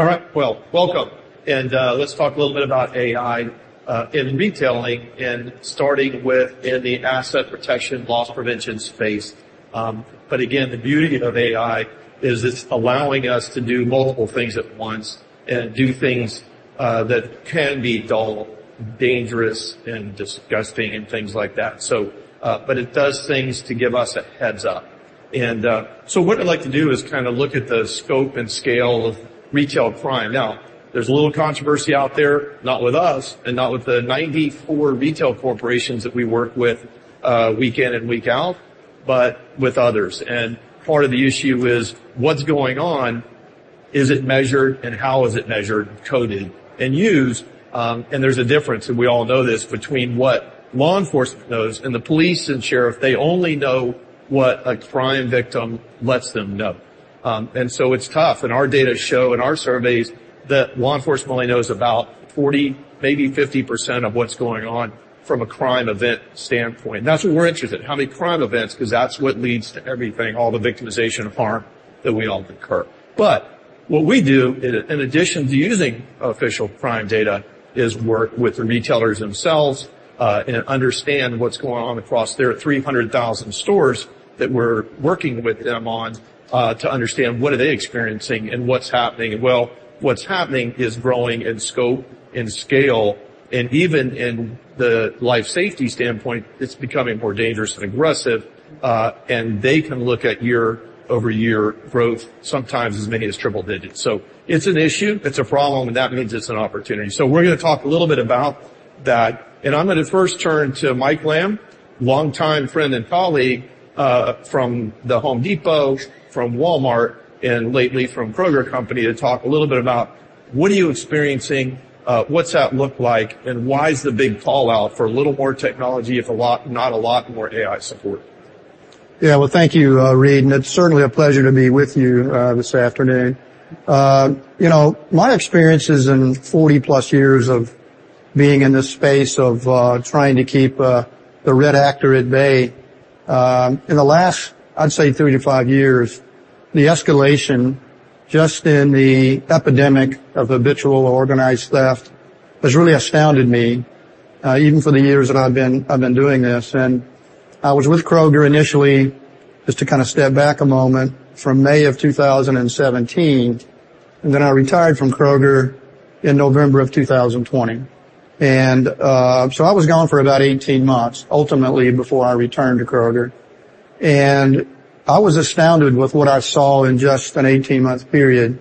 All right, well, welcome. And, let's talk a little bit about AI in retailing and starting with in the asset protection, loss prevention space. But again, the beauty of AI is it's allowing us to do multiple things at once and do things that can be dull, dangerous, and disgusting, and things like that. So, but it does things to give us a heads-up. And, so what I'd like to do is kind of look at the scope and scale of retail crime. Now, there's a little controversy out there, not with us, and not with the 94 retail corporations that we work with week in and week out, but with others. And part of the issue is, what's going on, is it measured, and how is it measured, coded, and used? And there's a difference, and we all know this, between what law enforcement knows and the police and sheriff, they only know what a crime victim lets them know. And so it's tough, and our data show in our surveys that law enforcement only knows about 40%, maybe 50% of what's going on from a crime event standpoint. And that's what we're interested in, how many crime events, 'cause that's what leads to everything, all the victimization and harm that we all incur. But what we do, in addition to using official crime data, is work with the retailers themselves, and understand what's going on across their 0.3 million stores that we're working with them on, to understand what are they experiencing and what's happening. Well, what's happening is growing in scope, in scale, and even in the life safety standpoint, it's becoming more dangerous and aggressive, and they can look at year-over-year growth, sometimes as many as triple digits. So it's an issue, it's a problem, and that means it's an opportunity. So we're going to talk a little bit about that, and I'm going to first turn to Mike Lamb, longtime friend and colleague, from the Home Depot, from Walmart, and lately from Kroger Company, to talk a little bit about what are you experiencing, what's that look like, and why is the big fallout for a little more technology, if a lot, not a lot more AI support? Yeah. Well, thank you, Read, and it's certainly a pleasure to be with you this afternoon. You know, my experiences in 40 years+ of being in this space of trying to keep the bad actor at bay, in the last, I'd say 3-5 years, the escalation just in the epidemic of habitual organized theft has really astounded me, even for the years that I've been, I've been doing this. I was with Kroger initially, just to kind of step back a moment, from May 2017, and then I retired from Kroger in November 2020. So I was gone for about 18 months, ultimately, before I returned to Kroger. I was astounded with what I saw in just an 18-month period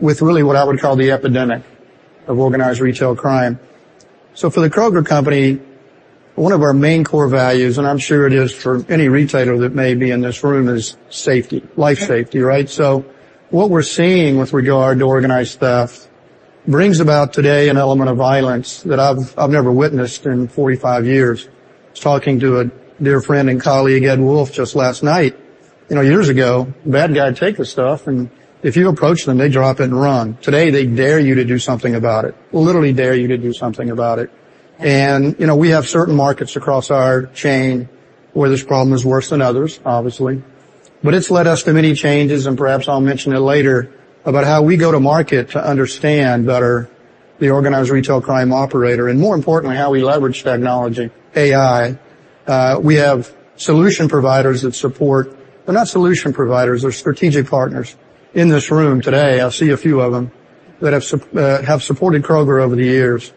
with really what I would call the epidemic of organized retail crime. So for the Kroger Company, one of our main core values, and I'm sure it is for any retailer that may be in this room, is safety, life safety, right? So what we're seeing with regard to organized theft brings about today an element of violence that I've never witnessed in 45 years. I was talking to a dear friend and colleague, Ed Wolf, just last night. You know, years ago, bad guy take the stuff, and if you approach them, they drop it and run. Today, they dare you to do something about it. Literally dare you to do something about it. You know, we have certain markets across our chain where this problem is worse than others, obviously, but it's led us to many changes, and perhaps I'll mention it later, about how we go to market to understand better the organized retail crime operator, and more importantly, how we leverage technology, AI. We have solution providers that support, but not solution providers, they're strategic partners. In this room today, I see a few of them that have supported Kroger over the years.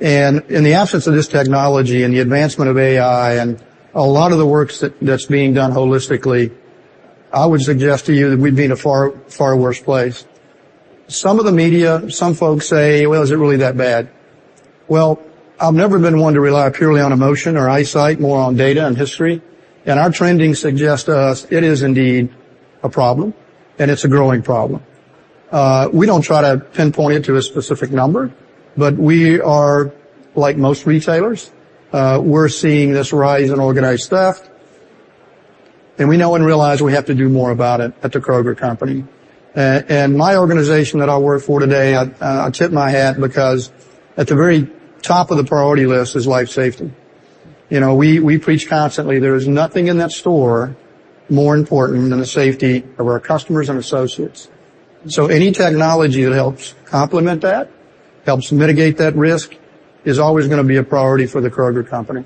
In the absence of this technology and the advancement of AI and a lot of the works that, that's being done holistically, I would suggest to you that we'd be in a far, far worse place. Some of the media, some folks say, "Well, is it really that bad?" Well, I've never been one to rely purely on emotion or eyesight, more on data and history, and our trending suggests to us it is indeed a problem, and it's a growing problem. We don't try to pinpoint it to a specific number, but we are like most retailers. We're seeing this rise in organized theft, and we know and realize we have to do more about it at the Kroger Company. And my organization that I work for today, I tip my hat because at the very top of the priority list is life safety. You know, we preach constantly there is nothing in that store more important than the safety of our customers and associates. Any technology that helps complement that, helps mitigate that risk, is always going to be a priority for the Kroger Company.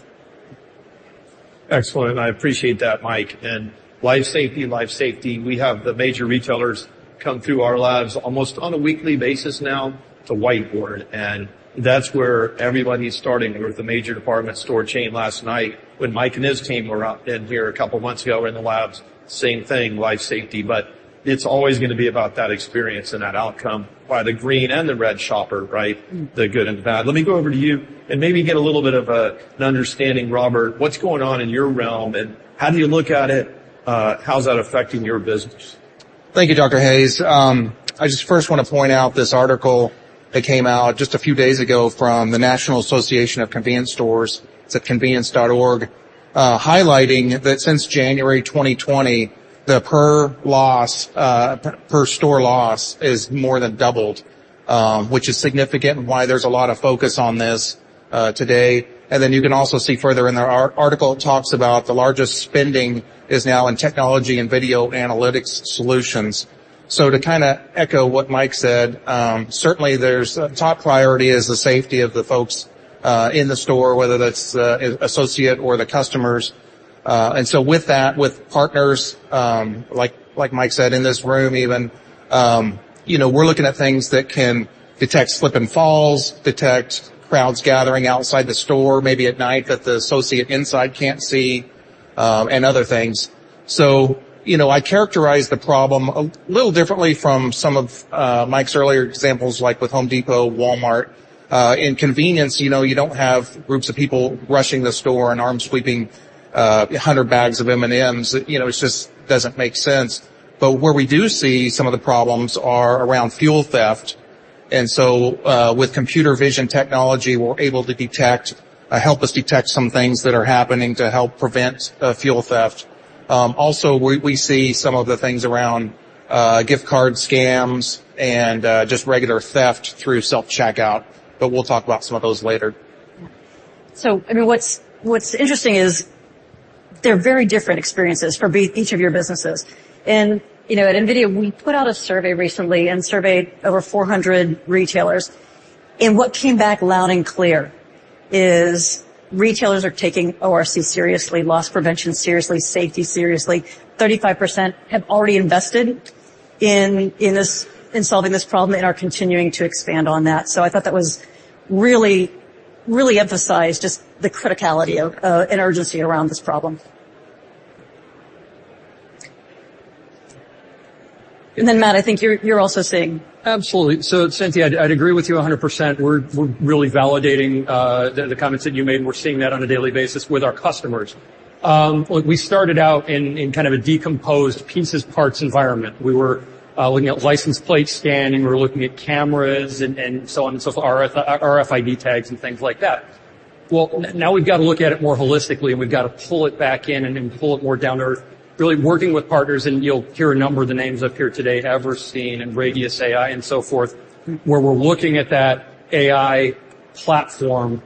Excellent, and I appreciate that, Mike. And life safety, life safety, we have the major retailers come through our labs almost on a weekly basis now to whiteboard, and that's where everybody's starting. We're at the major department store chain last night when Mike and his team were out in here a couple of months ago in the labs. Same thing, life safety, but it's always going to be about that experience and that outcome by the green and the red shopper, right? The good and the bad. Let me go over to you and maybe get a little bit of a, an understanding, Robert, what's going on in your realm, and how do you look at it? How's that affecting your business? Thank you, Dr. Hayes. I just first want to point out this article that came out just a few days ago from the National Association of Convenience Stores, it's at convenience.org, highlighting that since January 2020, the per loss, per store loss is more than doubled, which is significant and why there's a lot of focus on this today, and then you can also see further in there, our article talks about the largest spending is now in technology and video analytics solutions. So to kind of echo what Mike said, certainly there's top priority is the safety of the folks in the store, whether that's the associate or the customers. And so with that, with partners, like, like Mike said, in this room even, you know, we're looking at things that can detect slip and falls, detect crowds gathering outside the store, maybe at night, that the associate inside can't see, and other things. So, you know, I characterize the problem a little differently from some of Mike's earlier examples, like with Home Depot, Walmart. In convenience, you know, you don't have groups of people rushing the store and arm sweeping 100 bags of M&M's. You know, it just doesn't make sense. But where we do see some of the problems are around fuel theft, and so, with computer vision technology, we're able to detect, help us detect some things that are happening to help prevent fuel theft. Also, we see some of the things around gift card scams and just regular theft through self-checkout, but we'll talk about some of those later. So, I mean, what's interesting is they're very different experiences for each of your businesses. And, you know, at NVIDIA, we put out a survey recently and surveyed over 400 retailers, and what came back loud and clear is retailers are taking ORC seriously, loss prevention seriously, safety seriously. 35% have already invested in solving this problem and are continuing to expand on that. So I thought that was really, really emphasized just the criticality of and urgency around this problem. And then, Matt, I think you're also seeing. Absolutely. So, Cynthia, I'd agree with you 100%. We're really validating the comments that you made, and we're seeing that on a daily basis with our customers. Look, we started out in kind of a decomposed pieces, parts, environment. We were looking at license plate scanning, we were looking at cameras, and so on and so forth, RFID tags, and things like that. Well, now we've got to look at it more holistically, and we've got to pull it back in and then pull it more down to earth, really working with partners, and you'll hear a number of the names up here today, Everseen and RadiusAI and so forth, where we're looking at that AI platform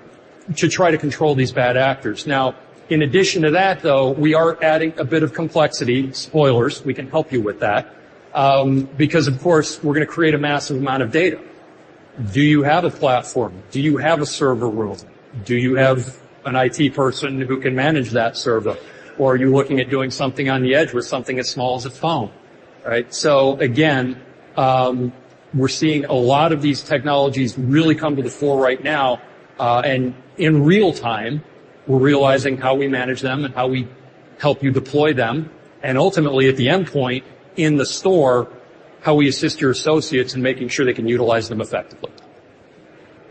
to try to control these bad actors. Now, in addition to that, though, we are adding a bit of complexity. Spoilers, we can help you with that. Because, of course, we're gonna create a massive amount of data. Do you have a platform? Do you have a server world? Do you have an IT person who can manage that server? Or are you looking at doing something on the edge with something as small as a phone, right? So again, we're seeing a lot of these technologies really come to the fore right now, and in real time, we're realizing how we manage them and how we help you deploy them, and ultimately, at the endpoint in the store, how we assist your associates in making sure they can utilize them effectively.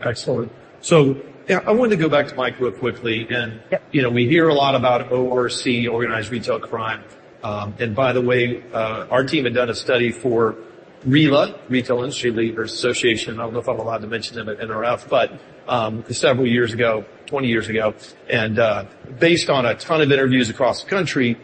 Excellent. So, yeah, I wanted to go back to Mike real quickly. You know, we hear a lot about ORC, organized retail crime. By the way, our team had done a study for RILA, Retail Industry Leaders Association. I don't know if I'm allowed to mention them in RF, but several years ago, 20 years ago, and based on a ton of interviews across the country,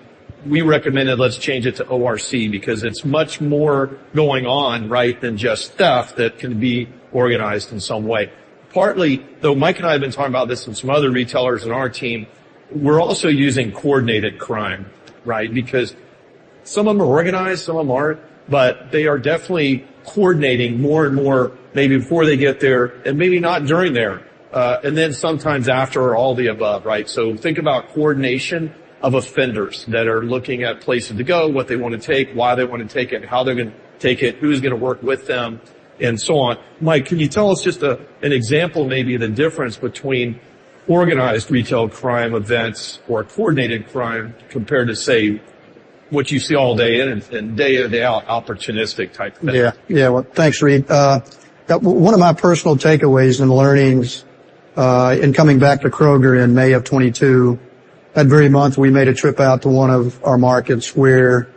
we recommended let's change it to ORC because it's much more going on, right, than just stuff that can be organized in some way. Partly, though Mike and I have been talking about this with some other retailers in our team, we're also using coordinated crime, right? Because some of them are organized, some of them aren't, but they are definitely coordinating more and more, maybe before they get there and maybe not during there, and then sometimes after all the above, right? So think about coordination of offenders that are looking at places to go, what they want to take, why they want to take it, how they're gonna take it, who's gonna work with them, and so on. Mike, can you tell us just an example, maybe, the difference between organized retail crime events or coordinated crime compared to, say, what you see all day in and day in, day out, opportunistic type thing? Yeah. Yeah, well, thanks, Read. One of my personal takeaways and learnings in coming back to Kroger in May of 2022, that very month, we made a trip out to one of our markets where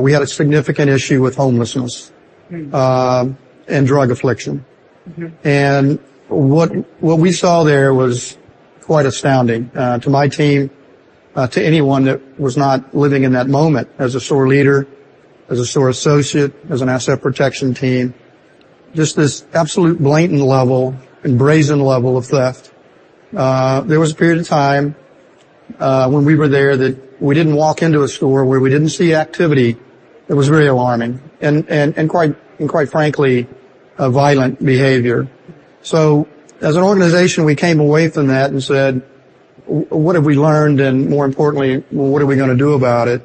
we had a significant issue with homelessness and drug affliction. Mm-hmm. And what we saw there was quite astounding to my team, to anyone that was not living in that moment as a store leader, as a store associate, as an asset protection team. Just this absolute blatant level and brazen level of theft. There was a period of time when we were there that we didn't walk into a store where we didn't see activity. It was very alarming and quite frankly, a violent behavior. So as an organization, we came away from that and said, "What have we learned? And more importantly, what are we gonna do about it?"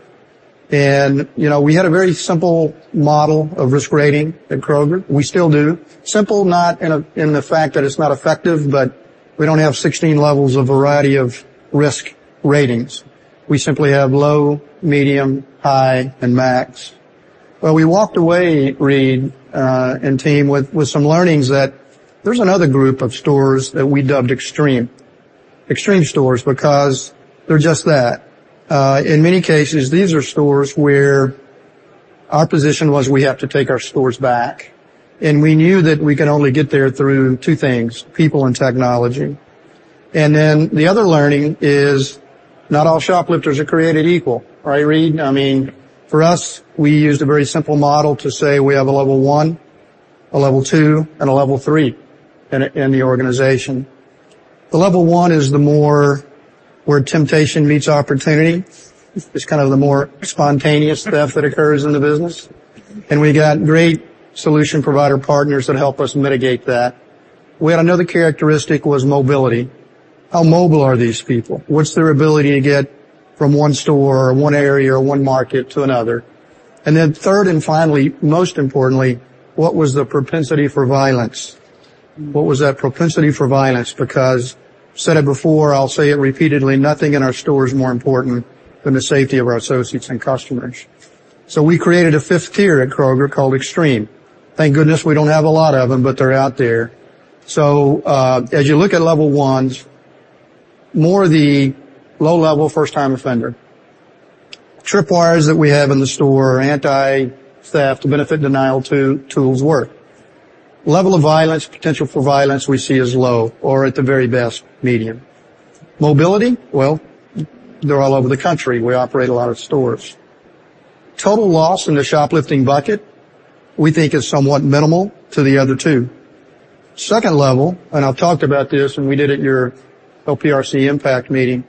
And, you know, we had a very simple model of risk rating at Kroger. We still do. Simple, not in the fact that it's not effective, but we don't have 16 levels of variety of risk ratings. We simply have low, medium, high, and max. But we walked away, Read, and team, with some learnings that there's another group of stores that we dubbed extreme, extreme stores, because they're just that. In many cases, these are stores where our position was we have to take our stores back, and we knew that we could only get there through two things, people and technology. And then the other learning is not all shoplifters are created equal, right, Read? I mean, for us, we used a very simple model to say we have a level one, a level two, and a level three in the organization. The level one is the more where temptation meets opportunity. It's kind of the more spontaneous theft that occurs in the business, and we've got great solution provider partners that help us mitigate that. We had another characteristic, was mobility. How mobile are these people? What's their ability to get from one store or one area or one market to another? And then third, and finally, most importantly, what was the propensity for violence? What was that propensity for violence? Because I've said it before, I'll say it repeatedly, nothing in our store is more important than the safety of our associates and customers. So we created a fifth tier at Kroger called Extreme. Thank goodness we don't have a lot of them, but they're out there. So, as you look at level ones, more the low-level, first-time offender. Tripwires that we have in the store, anti-theft, Benefit Denial tools work. Level of violence, potential for violence we see as low or, at the very best, medium. Mobility, well, they're all over the country. We operate a lot of stores. Total loss in the shoplifting bucket, we think, is somewhat minimal to the other two. Second level, and I've talked about this, and we did at your LPRC impact meeting,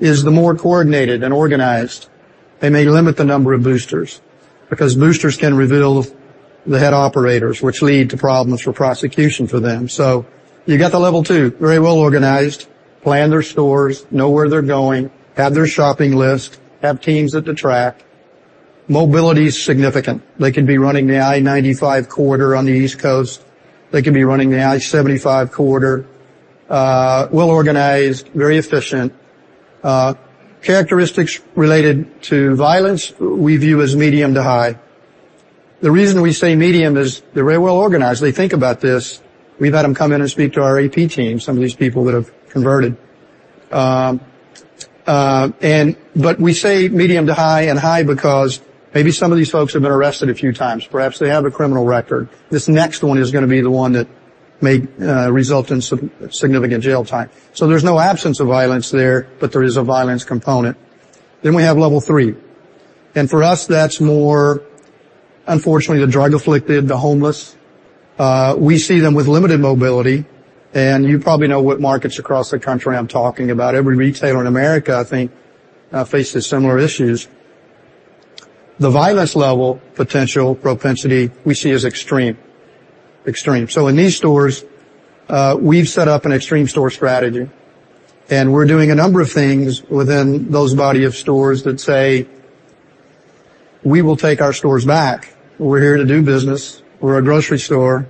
is the more coordinated and organized. They may limit the number of boosters because boosters can reveal the head operators, which lead to problems for prosecution for them. So you got the level two, very well organized, plan their stores, know where they're going, have their shopping list, have teams at the track. Mobility is significant. They could be running the I-95 corridor on the East Coast. They could be running the I-75 corridor. Well-organized, very efficient. Characteristics related to violence, we view as medium to high. The reason we say medium is they're very well organized. They think about this. We've had them come in and speak to our AP team, some of these people that have converted. But we say medium to high and high because maybe some of these folks have been arrested a few times. Perhaps they have a criminal record. This next one is gonna be the one that may result in some significant jail time. So there's no absence of violence there, but there is a violence component. Then we have level three, and for us, that's more, unfortunately, the drug-afflicted, the homeless. We see them with limited mobility, and you probably know what markets across the country I'm talking about. Every retailer in America, I think, faces similar issues. The violence level, potential propensity, we see as extreme. Extreme. So in these stores, we've set up an extreme store strategy, and we're doing a number of things within those body of stores that say, "We will take our stores back. We're here to do business. We're a grocery store,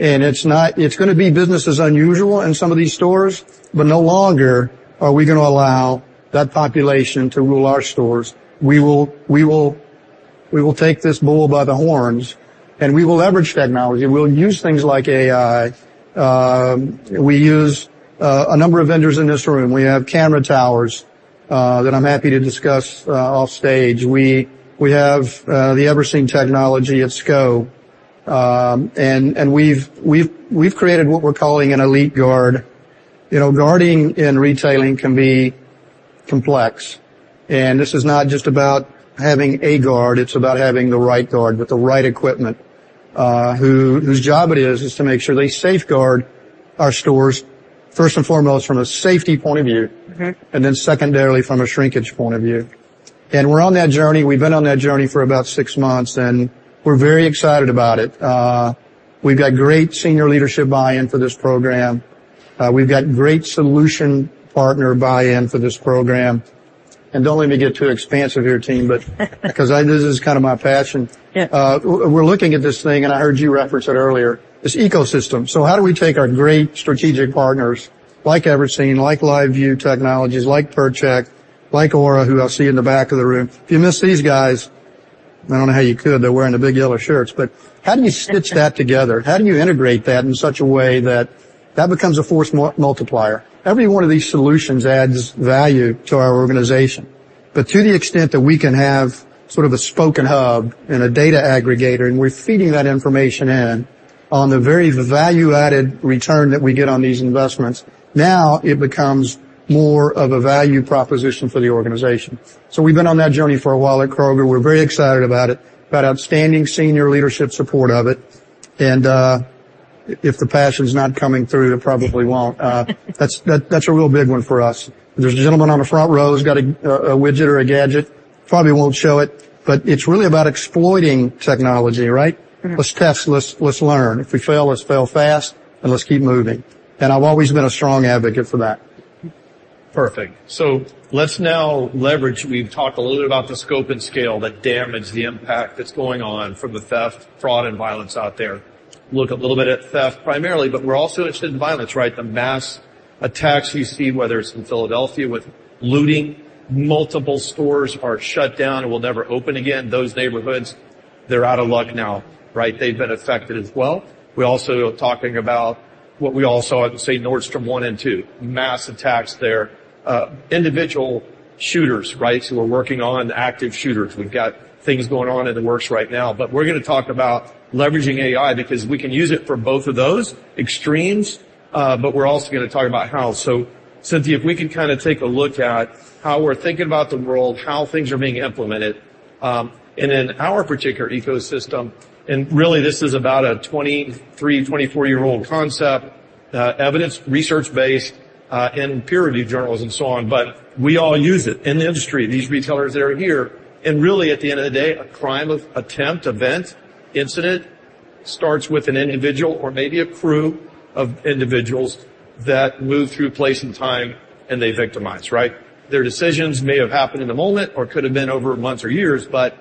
and it's not—it's gonna be business as unusual in some of these stores, but no longer are we gonna allow that population to rule our stores. We will, we will, we will take this bull by the horns, and we will leverage technology. We'll use things like AI." We use a number of vendors in this room. We have Camera Towers that I'm happy to discuss offstage. We have the Everseen technology at scope. And we've created what we're calling an elite guard. You know, guarding in retailing can be complex, and this is not just about having a guard, it's about having the right guard with the right equipment, whose job it is to make sure they safeguard our stores, first and foremost, from a safety point of view, and then secondarily, from a shrinkage point of view. We're on that journey. We've been on that journey for about six months, and we're very excited about it. We've got great senior leadership buy-in for this program. We've got great solution partner buy-in for this program. Don't let me get too expansive here, team, but 'cause this is kind of my passion. Yeah. We're looking at this thing, and I heard you reference it earlier, this ecosystem. So how do we take our great strategic partners, like Everseen, like LiveView Technologies, like Purchek, like Auror, who I see in the back of the room? If you miss these guys, I don't know how you could. They're wearing the big yellow shirts. But how do you stitch that together? How do you integrate that in such a way that that becomes a force multiplier? Every one of these solutions adds value to our organization. But to the extent that we can have sort of a spoken hub and a data aggregator, and we're feeding that information in on the very value-added return that we get on these investments, now it becomes more of a value proposition for the organization. So we've been on that journey for a while at Kroger. We're very excited about it, about outstanding senior leadership support of it, and, if the passion's not coming through, it probably won't. That's, that's a real big one for us. There's a gentleman on the front row who's got a, a widget or a gadget. Probably won't show it, but it's really about exploiting technology, right? Mm-hmm. Let's test, let's learn. If we fail, let's fail fast, and let's keep moving. I've always been a strong advocate for that. Perfect. So let's now leverage. We've talked a little bit about the scope and scale, the damage, the impact that's going on from the theft, fraud, and violence out there. Look a little bit at theft primarily, but we're also interested in violence, right? The mass attacks you see, whether it's in Philadelphia with looting, multiple stores are shut down and will never open again, those neighborhoods—They're out of luck now, right? They've been affected as well. We're also talking about what we also, I would say, Nordstrom one and two, mass attacks there. Individual shooters, right? So we're working on active shooters. We've got things going on in the works right now, but we're gonna talk about leveraging AI, because we can use it for both of those extremes, but we're also gonna talk about how. So Cynthia, if we can kind of take a look at how we're thinking about the world, how things are being implemented, and in our particular ecosystem, and really this is about a 23-year-old, 24-year-old concept, evidence, research-based, in peer-reviewed journals and so on, but we all use it in the industry, these retailers that are here. And really, at the end of the day, a crime of attempt, event, incident, starts with an individual or maybe a crew of individuals that move through place and time, and they victimize, right? Their decisions may have happened in the moment or could have been over months or years, but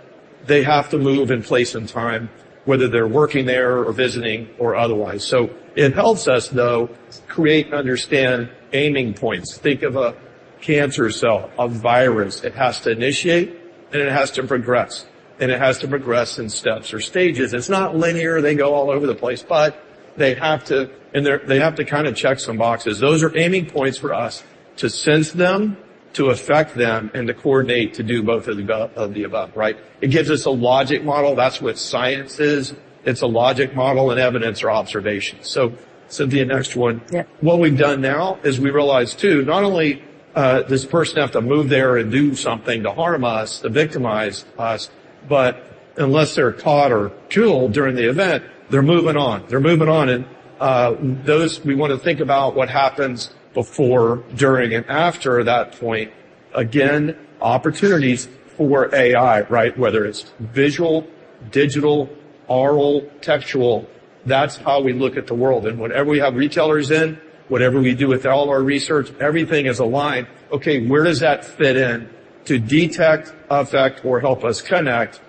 they have to move in place and time, whether they're working there or visiting or otherwise. So it helps us, though, create and understand aiming points. Think of a cancer cell, a virus. It has to initiate, and it has to progress, and it has to progress in steps or stages. It's not linear, they go all over the place, but they have to, and they're, they have to kind of check some boxes. Those are aiming points for us to sense them, to affect them, and to coordinate to do both of the above, of the above, right? It gives us a logic model. That's what science is. It's a logic model and evidence or observation. So Cynthia, next one. Yeah. What we've done now is we realize, too, not only does this person have to move there and do something to harm us, to victimize us, but unless they're caught or killed during the event, they're moving on. They're moving on, and those, we want to think about what happens before, during, and after that point. Again, opportunities for AI, right? Whether it's visual, digital, Auror, textual, that's how we look at the world. And whenever we have retailers in, whatever we do with all our research, everything is aligned. Okay, where does that fit in to detect, affect, or help us connect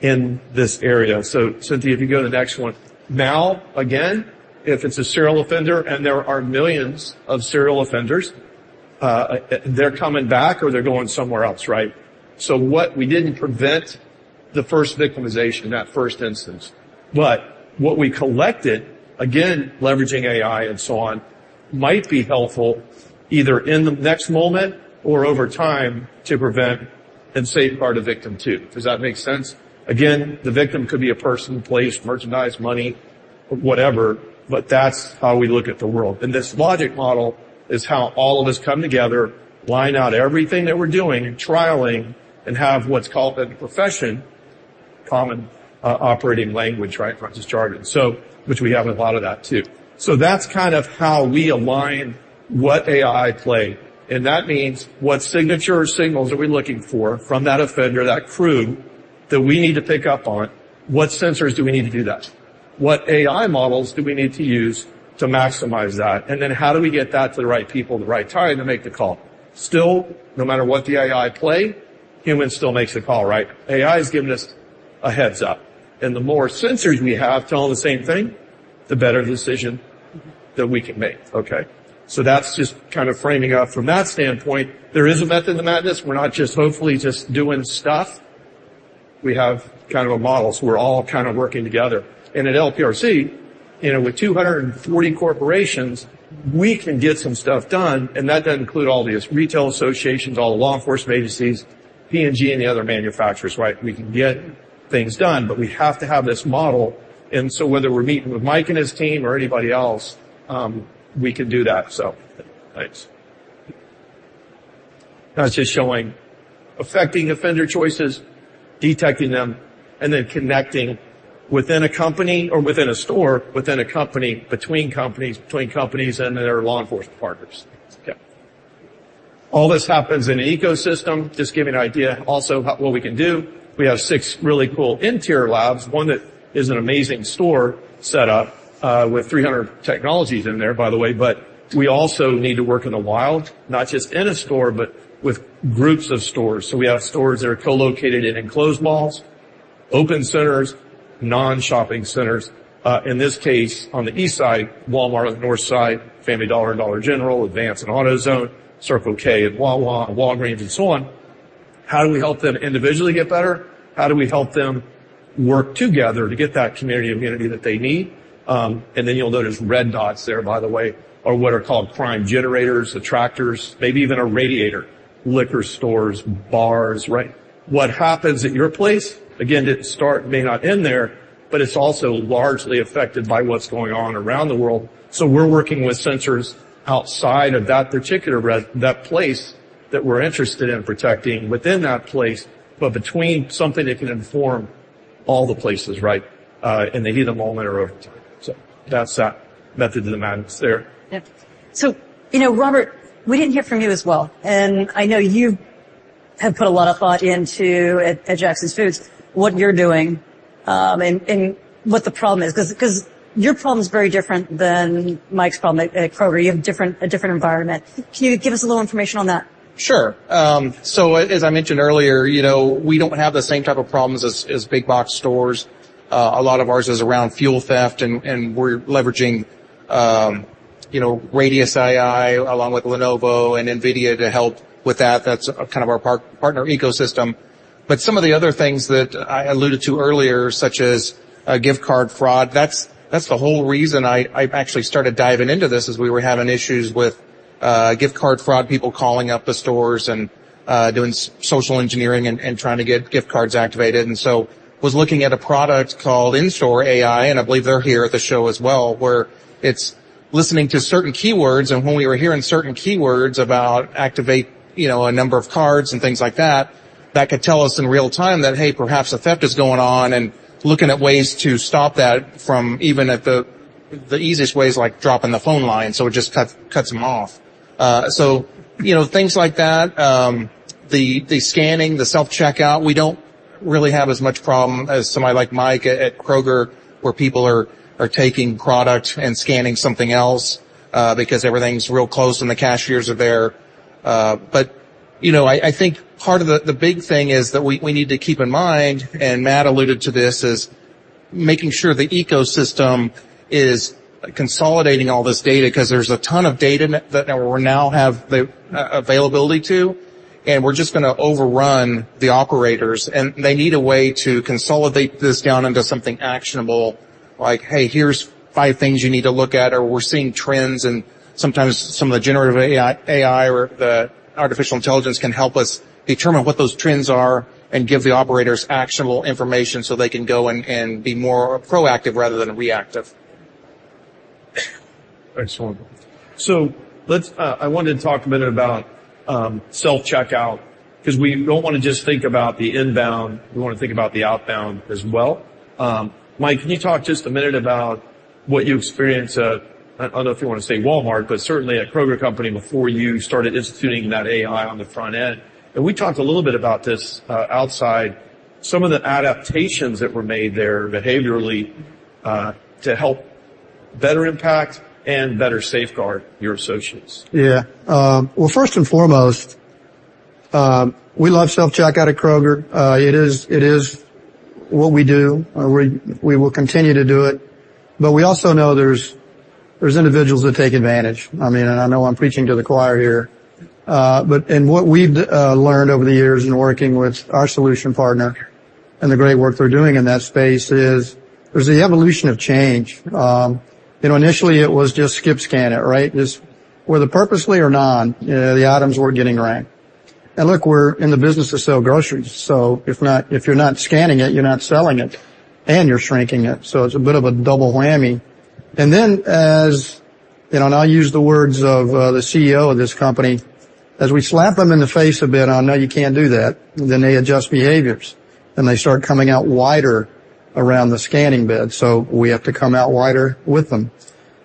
in this area? So Cynthia, if you go to the next one. Now, again, if it's a serial offender, and there are millions of serial offenders, they're coming back, or they're going somewhere else, right? So what we didn't prevent the first victimization, that first instance, but what we collected, again, leveraging AI and so on, might be helpful either in the next moment or over time to prevent and safeguard a victim, too. Does that make sense? Again, the victim could be a person, place, merchandise, money, whatever, but that's how we look at the world. And this logic model is how all of us come together, line out everything that we're doing, and trialing, and have what's called in the profession common operating language, right, Francis charges. So, which we have a lot of that, too. So that's kind of how we align what AI play, and that means what signature or signals are we looking for from that offender, that crew, that we need to pick up on? What sensors do we need to do that? What AI models do we need to use to maximize that, and then how do we get that to the right people at the right time to make the call? Still, no matter what the AI play, human still makes the call, right? AI is giving us a heads-up, and the more sensors we have telling the same thing, the better decision that we can make, okay. So that's just kind of framing up from that standpoint. There is a method to the madness. We're not just hopefully just doing stuff. We have kind of a model, so we're all kind of working together. And at LPRC, you know, with 240 corporations, we can get some stuff done, and that does include all these retail associations, all the law enforcement agencies, P&G, and the other manufacturers, right? We can get things done, but we have to have this model, and so whether we're meeting with Mike and his team or anybody else, we can do that. So thanks. That's just showing affecting offender choices, detecting them, and then connecting within a company or within a store, within a company, between companies, between companies and their law enforcement partners. Yeah. All this happens in an ecosystem. Just give you an idea also how, what we can do. We have six really cool interior labs, one that is an amazing store set up, with 300 technologies in there, by the way, but we also need to work in the wild, not just in a store, but with groups of stores. So we have stores that are co-located in enclosed malls, open centers, non-shopping centers. In this case, on the east side, Walmart, north side, Family Dollar and Dollar General, Advance and AutoZone, Circle K and Wawa, Walgreens, and so on. How do we help them individually get better? How do we help them work together to get that community immunity that they need? And then you'll notice red dots there, by the way, are what are called crime generators, attractors, maybe even a radiator, liquor stores, bars, right? What happens at your place, again, to start, may not end there, but it's also largely affected by what's going on around the world. So we're working with sensors outside of that particular res-- that place that we're interested in protecting within that place, but between something that can inform all the places, right? And maybe in a moment or over time. So that's that method to the madness there. Yeah. So, you know, Robert, we didn't hear from you as well, and I know you have put a lot of thought into what you're doing at Jacksons Food Stores, and what the problem is, 'cause your problem is very different than Mike's problem at Kroger. You have a different environment. Can you give us a little information on that? Sure. So as I mentioned earlier, you know, we don't have the same type of problems as big box stores. A lot of ours is around fuel theft, and, and we're leveraging, you know, RadiusAI, along with Lenovo and NVIDIA to help with that. That's kind of our partner ecosystem. But some of the other things that I alluded to earlier, such as, gift card fraud, that's, that's the whole reason I, I actually started diving into this, is we were having issues with, gift card fraud, people calling up the stores and, doing social engineering and, and trying to get gift cards activated. And so was looking at a product called InStore AI, and I believe they're here at the show as well, where it's listening to certain keywords, and when we were hearing certain keywords about activate, you know, a number of cards and things like that, that could tell us in real time that, hey, perhaps a theft is going on, and looking at ways to stop that from even at the easiest way is, like, dropping the phone line, so it just cuts them off. So, you know, things like that, the scanning, the self-checkout, we don't really have as much problem as somebody like Mike at Kroger, where people are taking product and scanning something else, because everything's real close, and the cashiers are there. But, you know, I think part of the big thing is that we need to keep in mind, and Matt alluded to this, is making sure the ecosystem is consolidating all this data. 'Cause there's a ton of data that we now have the availability to, and we're just gonna overrun the operators, and they need a way to consolidate this down into something actionable, like, "Hey, here's five things you need to look at," or, "We're seeing trends," and sometimes some of the generative AI, AI or the artificial intelligence can help us determine what those trends are and give the operators actionable information so they can go and be more proactive rather than reactive. Excellent. So let's, I wanted to talk a minute about self-checkout, 'cause we don't wanna just think about the inbound, we wanna think about the outbound as well. Mike, can you talk just a minute about what you experienced at, I don't know if you wanna say Walmart, but certainly at Kroger Company, before you started instituting that AI on the front end? And we talked a little bit about this outside, some of the adaptations that were made there behaviorally to help better impact and better safeguard your associates. Yeah. Well, first and foremost, we love self-checkout at Kroger. It is, it is what we do, and we, we will continue to do it. But we also know there's, there's individuals that take advantage. I mean, and I know I'm preaching to the choir here. But what we've learned over the years in working with our solution partner, and the great work they're doing in that space is, there's the evolution of change. You know, initially it was just skip scanning, right? Just whether purposely or not, the items were getting bagged. And look, we're in the business to sell groceries, so if not—if you're not scanning it, you're not selling it, and you're shrinking it, so it's a bit of a double whammy. And then, as you know, and I'll use the words of the CEO of this company, as we slap them in the face a bit on, "No, you can't do that," then they adjust behaviors, and they start coming out wider around the scanning bed, so we have to come out wider with them.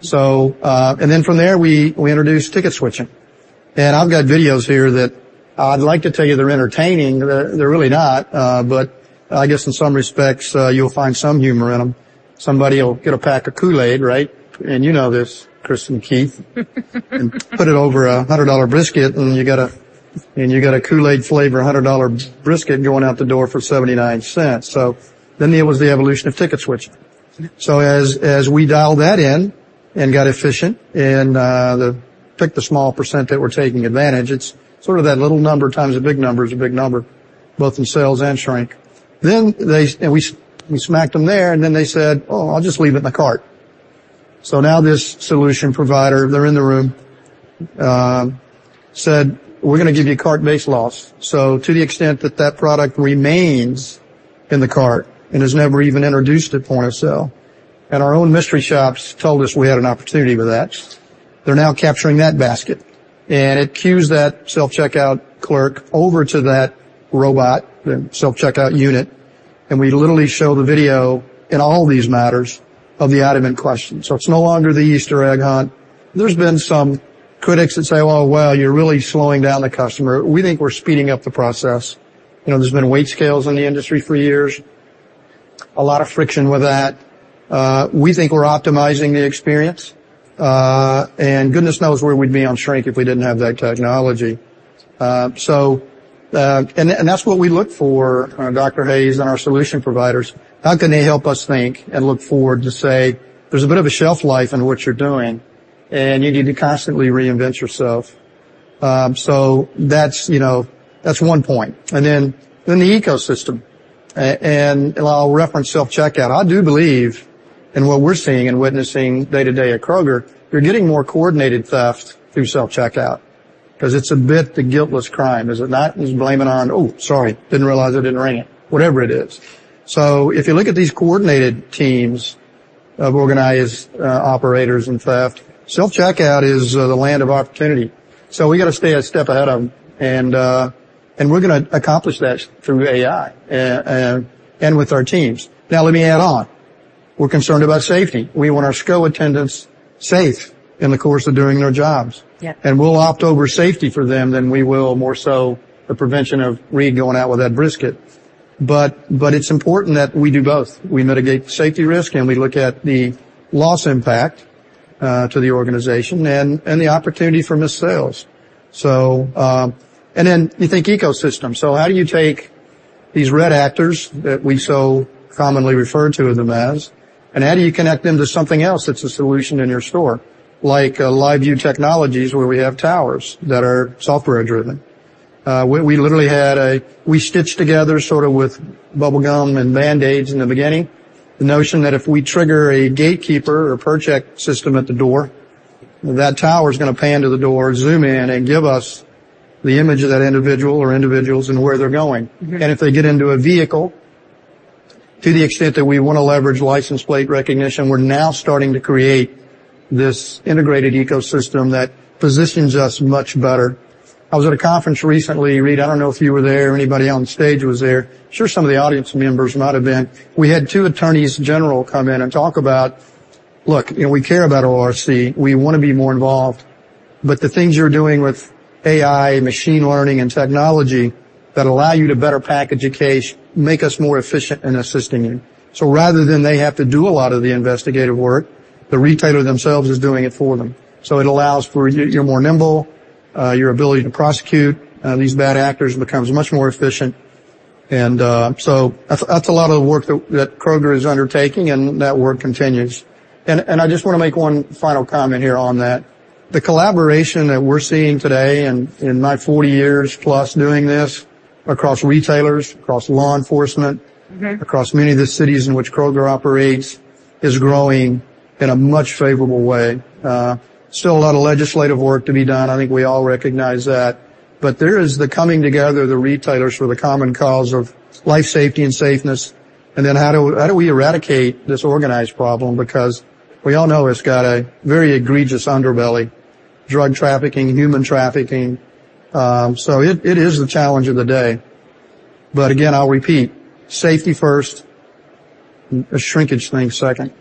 So, and then from there, we introduced ticket switching. And I've got videos here that I'd like to tell you they're entertaining. They're really not, but I guess in some respects, you'll find some humor in them. Somebody will get a pack of Kool-Aid, right? And you know this, Chris and Keith. Put it over a $100 brisket, and you got a Kool-Aid flavor, a $100 brisket going out the door for $0.79. So then there was the evolution of ticket switching. So as we dialed that in and got efficient and took the small percent that were taking advantage, it's sort of that little number times a big number is a big number, both in sales and shrink. Then they and we smacked them there, and then they said, "Oh, I'll just leave it in the cart." So now this solution provider, they're in the room, said, "We're gonna give you cart base loss." So to the extent that that product remains in the cart and is never even introduced at point of sale, and our own mystery shops told us we had an opportunity with that, they're now capturing that basket. And it cues that self-checkout clerk over to that robot, the self-checkout unit, and we literally show the video in all these matters of the item in question. So it's no longer the Easter egg hunt. There's been some critics that say, "Well, well, you're really slowing down the customer." We think we're speeding up the process. You know, there's been weight scales in the industry for years, a lot of friction with that. We think we're optimizing the experience, and goodness knows where we'd be on shrink if we didn't have that technology. So, and that's what we look for, Dr. Hayes, and our solution providers. How can they help us think and look forward to say there's a bit of a shelf life in what you're doing, and you need to constantly reinvent yourself. So that's, you know, that's one point, and then, then the ecosystem. And I'll reference self-checkout. I do believe in what we're seeing and witnessing day-to-day at Kroger, you're getting more coordinated theft through self-checkout. 'Cause it's a bit the guiltless crime, is it not? Just blame it on, "Oh, sorry, didn't realize I didn't ring it." Whatever it is. So if you look at these coordinated teams of organized operators in theft, self-checkout is the land of opportunity. So we got to stay a step ahead of them, and we're gonna accomplish that through AI and with our teams. Now, let me add on: We're concerned about safety. We want our store attendants safe in the course of doing their jobs. Yeah. And we'll opt over safety for them than we will more so the prevention of Read going out with that brisket. But, but it's important that we do both. We mitigate the safety risk, and we look at the loss impact to the organization, and, and the opportunity for missed sales. So, and then you think ecosystem. So how do you take these red actors that we so commonly refer to them as, and how do you connect them to something else that's a solution in your store? Like, LiveView Technologies, where we have towers that are software-driven. We literally had we stitched together sort of with bubblegum and Band-Aids in the beginning, the notion that if we trigger a gatekeeper or Purchek system at the door, that tower is gonna pan to the door, zoom in, and give us the image of that individual or individuals and where they're going. Mm-hmm. If they get into a vehicle, to the extent that we wanna leverage license plate recognition, we're now starting to create this integrated ecosystem that positions us much better. I was at a conference recently, Read, I don't know if you were there or anybody on stage was there. I'm sure some of the audience members might have been. We had two attorneys general come in and talk about: "Look, you know, we care about ORC. We wanna be more involved, but the things you're doing with AI, machine learning, and technology that allow you to better package a case, make us more efficient in assisting you." So rather than they have to do a lot of the investigative work, the retailer themselves is doing it for them. So it allows for you, you're more nimble, your ability to prosecute these bad actors becomes much more efficient. So that's a lot of the work that Kroger is undertaking, and that work continues. And I just wanna make one final comment here on that. The collaboration that we're seeing today, in my 40 years+ doing this, across retailers, across law enforcement across many of the cities in which Kroger operates, is growing in a much favorable way. Still a lot of legislative work to be done. I think we all recognize that. But there is the coming together of the retailers for the common cause of life, safety, and safeness. And then how do we eradicate this organized problem? Because we all know it's got a very egregious underbelly, drug trafficking, human trafficking. So it is the challenge of the day. But again, I'll repeat, safety first, a shrinkage thing second.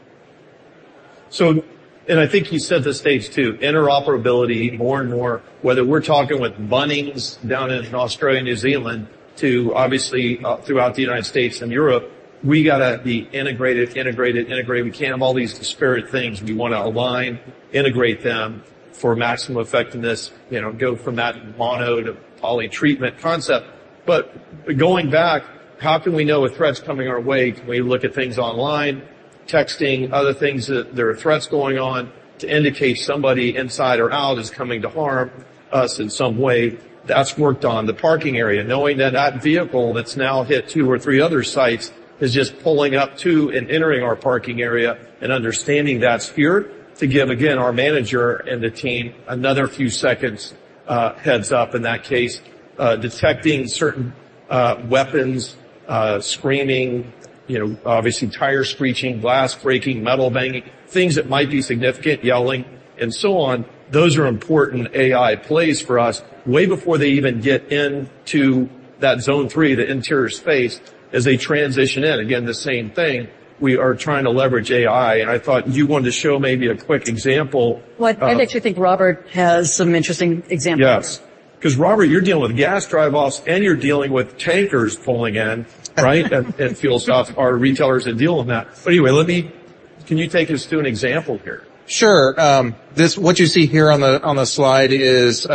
So, and I think you set the stage, too. Interoperability, more and more, whether we're talking with Bunnings down in Australia and New Zealand, too, obviously, throughout the United States and Europe, we got to be integrated, integrated, integrated. We can't have all these disparate things. We wanna align, integrate them for maximum effectiveness. You know, go from that mono to poly treatment concept. But going back, how can we know a threat's coming our way? Can we look at things online, texting, other things, that there are threats going on to indicate somebody inside or out is coming to harm us in some way? That's worked on the parking area. Knowing that that vehicle that's now hit two or three other sites is just pulling up to and entering our parking area and understanding that sphere, to give, again, our manager and the team another few seconds, heads-up in that case, detecting certain weapons, screaming, you know, obviously, tires screeching, glass breaking, metal banging, things that might be significant, yelling, and so on. Those are important AI plays for us way before they even get into that zone three, the interior space, as they transition in. Again, the same thing, we are trying to leverage AI, and I thought you wanted to show maybe a quick example. Well, I actually think Robert has some interesting examples. Yes. 'Cause Robert, you're dealing with gas drive-offs, and you're dealing with tankers pulling in, right? And fuel stops are retailers that deal with that. But anyway, let me. Can you take us through an example here? Sure. This—what you see here on the slide is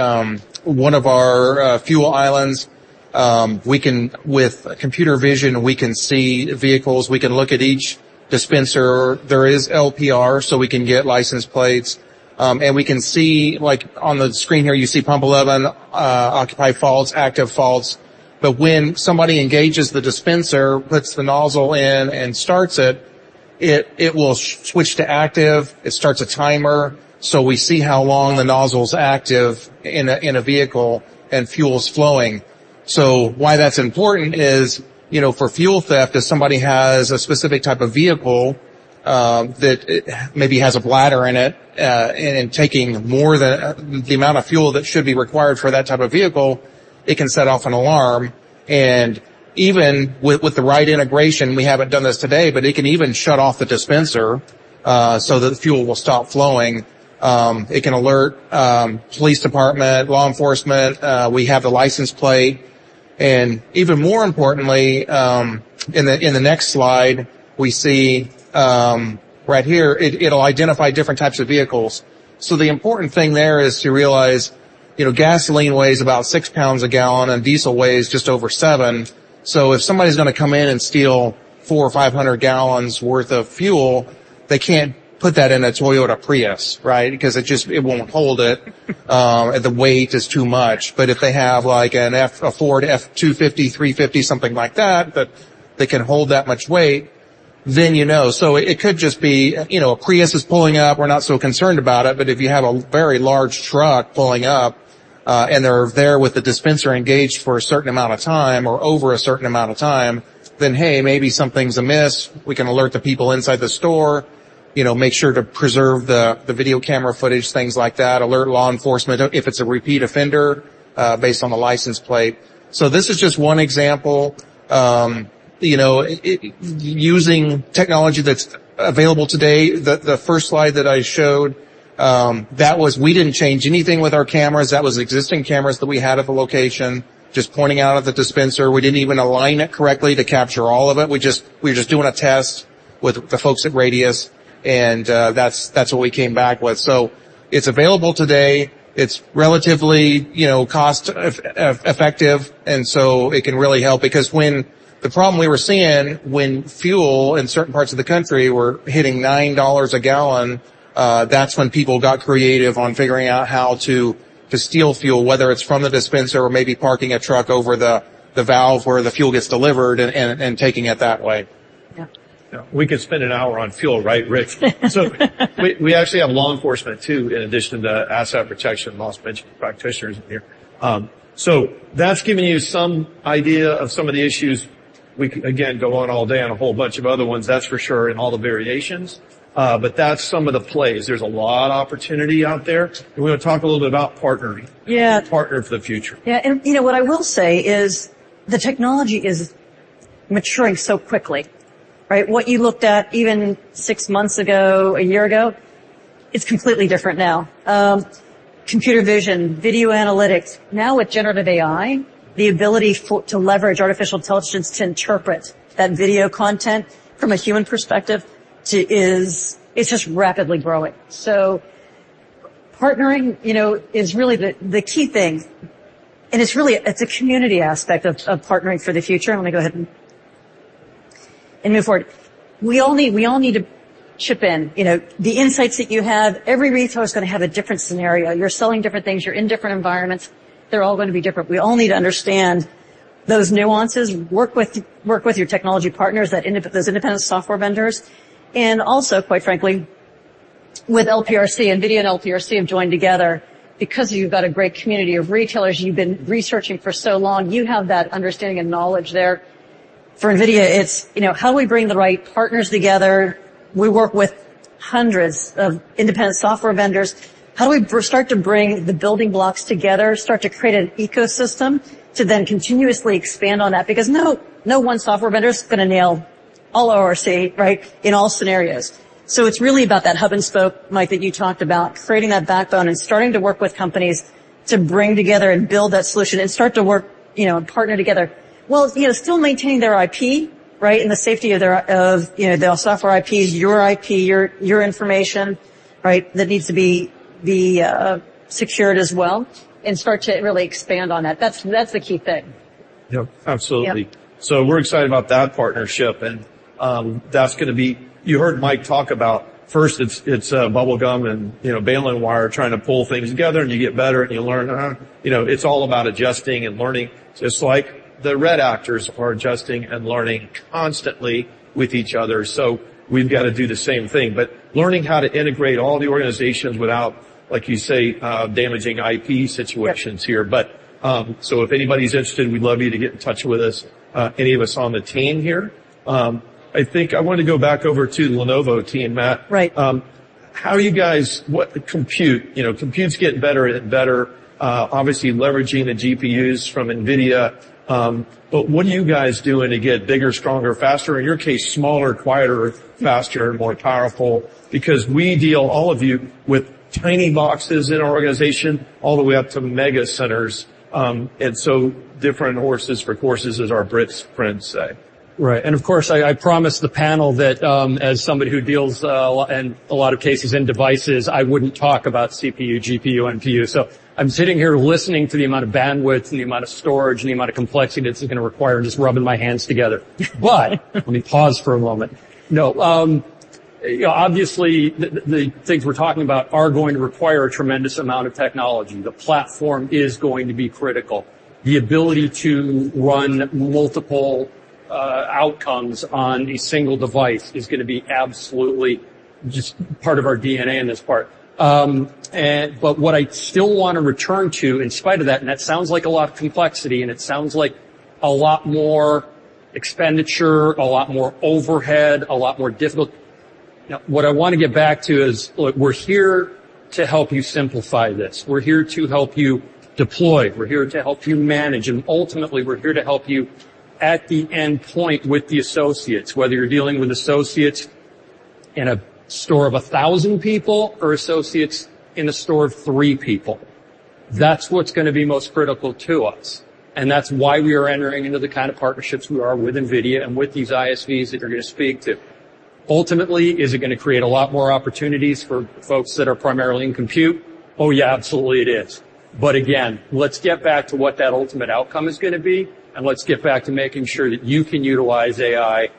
one of our fuel islands. We can, with computer vision, see vehicles. We can look at each dispenser. There is LPR, so we can get license plates. And we can see, like on the screen here, you see pump 11, occupy faults, active faults. But when somebody engages the dispenser, puts the nozzle in and starts it, it will switch to active. It starts a timer, so we see how long the nozzle's active in a vehicle and fuel's flowing. So why that's important is, you know, for fuel theft, if somebody has a specific type of vehicle, it maybe has a bladder in it, and taking more than the amount of fuel that should be required for that type of vehicle, it can set off an alarm. And even with the right integration, we haven't done this today, but it can even shut off the dispenser, so that the fuel will stop flowing. It can alert police department, law enforcement. We have the license plate. And even more importantly, in the next slide, we see right here, it'll identify different types of vehicles. So the important thing there is to realize, you know, gasoline weighs about 6 pounds a gallon, and diesel weighs just over 7 pounds a gallon. So if somebody's gonna come in and steal 400 gallons or 500 gallons worth of fuel, they can't put that in a Toyota Prius, right? Because it just, it won't hold it. The weight is too much. But if they have like a Ford F-250, F-350, something like that, that they can hold that much weight, then you know. So it, it could just be, you know, a Prius is pulling up, we're not so concerned about it. But if you have a very large truck pulling up, and they're there with the dispenser engaged for a certain amount of time or over a certain amount of time, then, hey, maybe something's amiss. We can alert the people inside the store. You know, make sure to preserve the, the video camera footage, things like that. Alert law enforcement if it's a repeat offender based on the license plate. So this is just one example, you know, using technology that's available today. The first slide that I showed, that was. We didn't change anything with our cameras. That was existing cameras that we had at the location, just pointing out at the dispenser. We didn't even align it correctly to capture all of it. We just, we were just doing a test with the folks at Radius, and, that's what we came back with. So it's available today. It's relatively, you know, cost effective, and so it can really help. Because when the problem we were seeing when fuel in certain parts of the country were hitting $9 a gallon, that's when people got creative on figuring out how to steal fuel, whether it's from the dispenser or maybe parking a truck over the valve where the fuel gets delivered, and taking it that way. Yeah. Yeah. We could spend an hour on fuel, right, Rich? So we, we actually have law enforcement, too, in addition to asset protection, loss prevention practitioners in here. So that's giving you some idea of some of the issues. We can, again, go on all day on a whole bunch of other ones, that's for sure, and all the variations, but that's some of the plays. There's a lot of opportunity out there, and we're gonna talk a little bit about partnering- Yeah. Partner for the future. Yeah, and, you know, what I will say is the technology is maturing so quickly, right? What you looked at even six months ago, a year ago, it's completely different now. Computer vision, video analytics, now with generative AI, the ability for, to leverage artificial intelligence to interpret that video content from a human perspective to is it's just rapidly growing. So partnering, you know, is really the, the key thing, and it's really, it's a community aspect of, of partnering for the future. Let me go ahead and, and move forward. We all need, we all need to chip in. You know, the insights that you have, every retailer is gonna have a different scenario. You're selling different things, you're in different environments, they're all gonna be different. We all need to understand those nuances, work with, work with your technology partners, those independent software vendors, and also, quite frankly, with LPRC. NVIDIA and LPRC have joined together because you've got a great community of retailers, you've been researching for so long, you have that understanding and knowledge there. For NVIDIA, it's, you know, how do we bring the right partners together? We work with hundreds of independent software vendors. How do we start to bring the building blocks together, start to create an ecosystem to then continuously expand on that? Because no, no one software vendor is gonna nail all ORC, right, in all scenarios. So it's really about that hub-and-spoke, Mike, that you talked about, creating that backbone and starting to work with companies to bring together and build that solution and start to work, you know, and partner together, while, you know, still maintaining their IP, right, and the safety of their, you know, their software IP, your IP, your information, right, that needs to be secured as well, and start to really expand on that. That's the key thing. Yep, absolutely. Yeah. So we're excited about that partnership, and, that's gonna be—you heard Mike talk about first, it's, bubblegum and, you know, baling wire, trying to pull things together, and you get better, and you learn, you know, it's all about adjusting and learning, just like the red actors are adjusting and learning constantly with each other. So we've got to do the same thing, but learning how to integrate all the organizations without, like you say, damaging IP situations. Yep So if anybody's interested, we'd love you to get in touch with us, any of us on the team here. I think I wanted to go back over to the Lenovo team, Matt. Right. What compute, you know, compute's getting better and better, obviously leveraging the GPUs from NVIDIA. But what are you guys doing to get bigger, stronger, faster, in your case, smaller, quieter, faster, and more powerful? Because we deal, all of you, with tiny boxes in our organization, all the way up to mega centers, and so different horses for courses, as our British friends say. Right. Of course, I promised the panel that, as somebody who deals in a lot of cases in devices, I wouldn't talk about CPU, GPU, NPU. So I'm sitting here listening to the amount of bandwidth and the amount of storage and the amount of complexity that's gonna require, and just rubbing my hands together. But let me pause for a moment. No, you know, obviously, the things we're talking about are going to require a tremendous amount of technology. The platform is going to be critical. The ability to run multiple outcomes on a single device is gonna be absolutely just part of our DNA in this part. But what I still want to return to, in spite of that, and that sounds like a lot of complexity, and it sounds like a lot more expenditure, a lot more overhead, a lot more difficult. Now, what I want to get back to is, look, we're here to help you simplify this. We're here to help you deploy. We're here to help you manage, and ultimately, we're here to help you at the endpoint with the associates, whether you're dealing with associates in a store of 1,000 people or associates in a store of three people. That's what's gonna be most critical to us, and that's why we are entering into the kind of partnerships we are with NVIDIA and with these ISVs that you're gonna speak to. Ultimately, is it gonna create a lot more opportunities for folks that are primarily in compute? Oh, yeah, absolutely it is. But again, let's get back to what that ultimate outcome is gonna be, and let's get back to making sure that you can utilize AI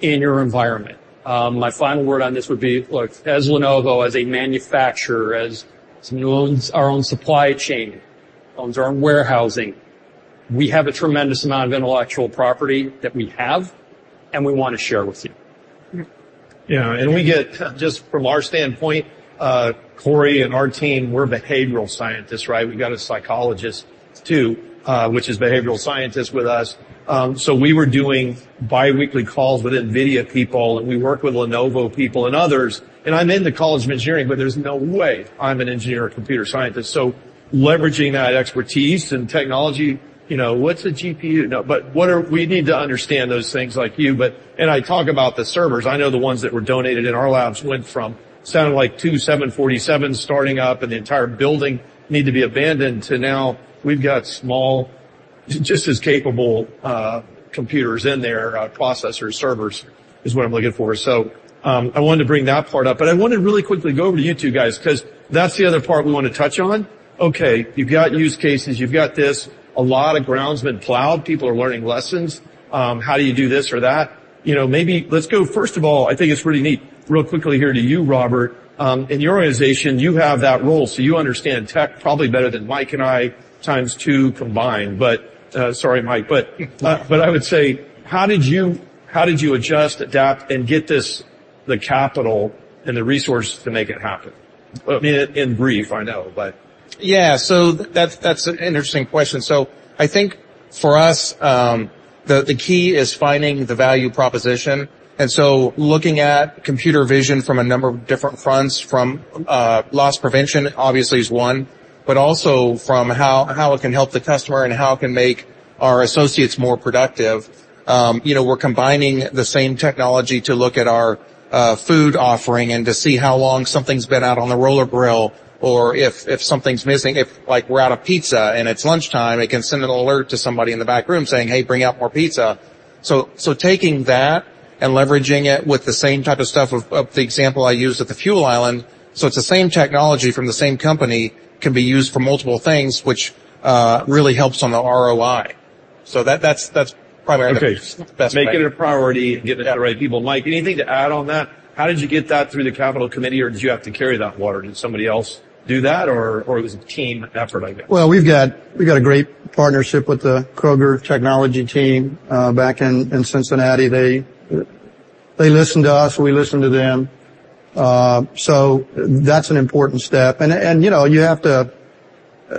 in your environment. My final word on this would be, look, as Lenovo, as a manufacturer, as someone who owns our own supply chain, owns our own warehousing, we have a tremendous amount of intellectual property that we have, and we want to share with you. Mm-hmm. Yeah, and we get just from our standpoint, Cory and our team, we're behavioral scientists, right? We've got a psychologist, too, which is behavioral scientist with us. So we were doing biweekly calls with NVIDIA people, and we worked with Lenovo people and others, and I'm in the College of Engineering, but there's no way I'm an engineer or computer scientist. So leveraging that expertise and technology, you know, what's a GPU? No, but what are- we need to understand those things like you. But—And I talk about the servers. I know the ones that were donated in our labs went from sounding like two 747s starting up, and the entire building need to be abandoned, to now we've got small—just as capable, computers in there, processors, servers, is what I'm looking for. So, I wanted to bring that part up, but I want to really quickly go over to you two guys, 'cause that's the other part we want to touch on. Okay, you've got use cases, you've got this. A lot of ground's been plowed, people are learning lessons, how do you do this or that? You know, maybe let's go, first of all, I think it's really neat, real quickly here to you, Robert. In your organization, you have that role, so you understand tech probably better than Mike and I, times two combined. But, sorry, Mike, but I would say, how did you, how did you adjust, adapt, and get this, the capital and the resources to make it happen? I mean, in brief, I know, but- Yeah, so that's an interesting question. So I think for us, the key is finding the value proposition, and so looking at computer vision from a number of different fronts, from loss prevention obviously is one, but also from how it can help the customer, and how it can make our associates more productive. You know, we're combining the same technology to look at our food offering and to see how long something's been out on the roller grill, or if something's missing. If, like, we're out of pizza and it's lunchtime, it can send an alert to somebody in the back room saying, "Hey, bring out more pizza." So taking that and leveraging it with the same type of stuff of the example I used at the fuel island. So it's the same technology from the same company, can be used for multiple things, which really helps on the ROI. So that, that's probably- Okay. -the best. Making it a priority and getting the right people. Mike, anything to add on that? How did you get that through the capital committee, or did you have to carry that water? Did somebody else do that, or, or it was a team effort, I guess? Well, we've got, we've got a great partnership with the Kroger technology team, back in, in Cincinnati. They listen to us, we listen to them. So that's an important step. And, and, you know, you have to,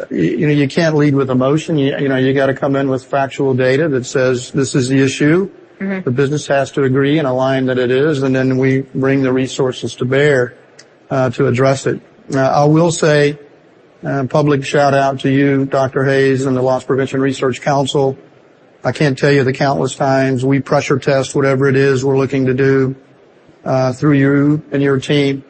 you, you can't lead with emotion. You, you know, you gotta come in with factual data that says this is the issue. Mm-hmm. The business has to agree and align that it is, and then we bring the resources to bear, to address it. I will say, public shout-out to you, Dr. Read Hayes, and the Loss Prevention Research Council. I can't tell you the countless times we pressure test whatever it is we're looking to do, through you and your team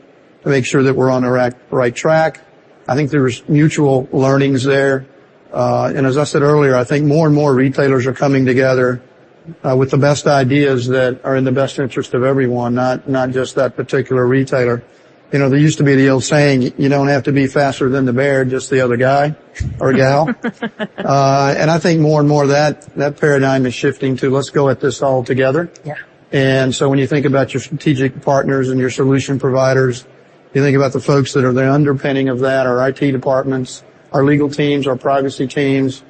to make sure that we're on the right, right track. I think there's mutual learnings there. And as I said earlier, I think more and more retailers are coming together, with the best ideas that are in the best interest of everyone, not, not just that particular retailer. You know, there used to be the old saying, "You don't have to be faster than the bear, just the other guy or gal." And I think more and more that that paradigm is shifting to, let's go at this all together. Yeah. And so when you think about your strategic partners and your solution providers, you think about the folks that are the underpinning of that, our IT departments, our legal teams, our privacy teams,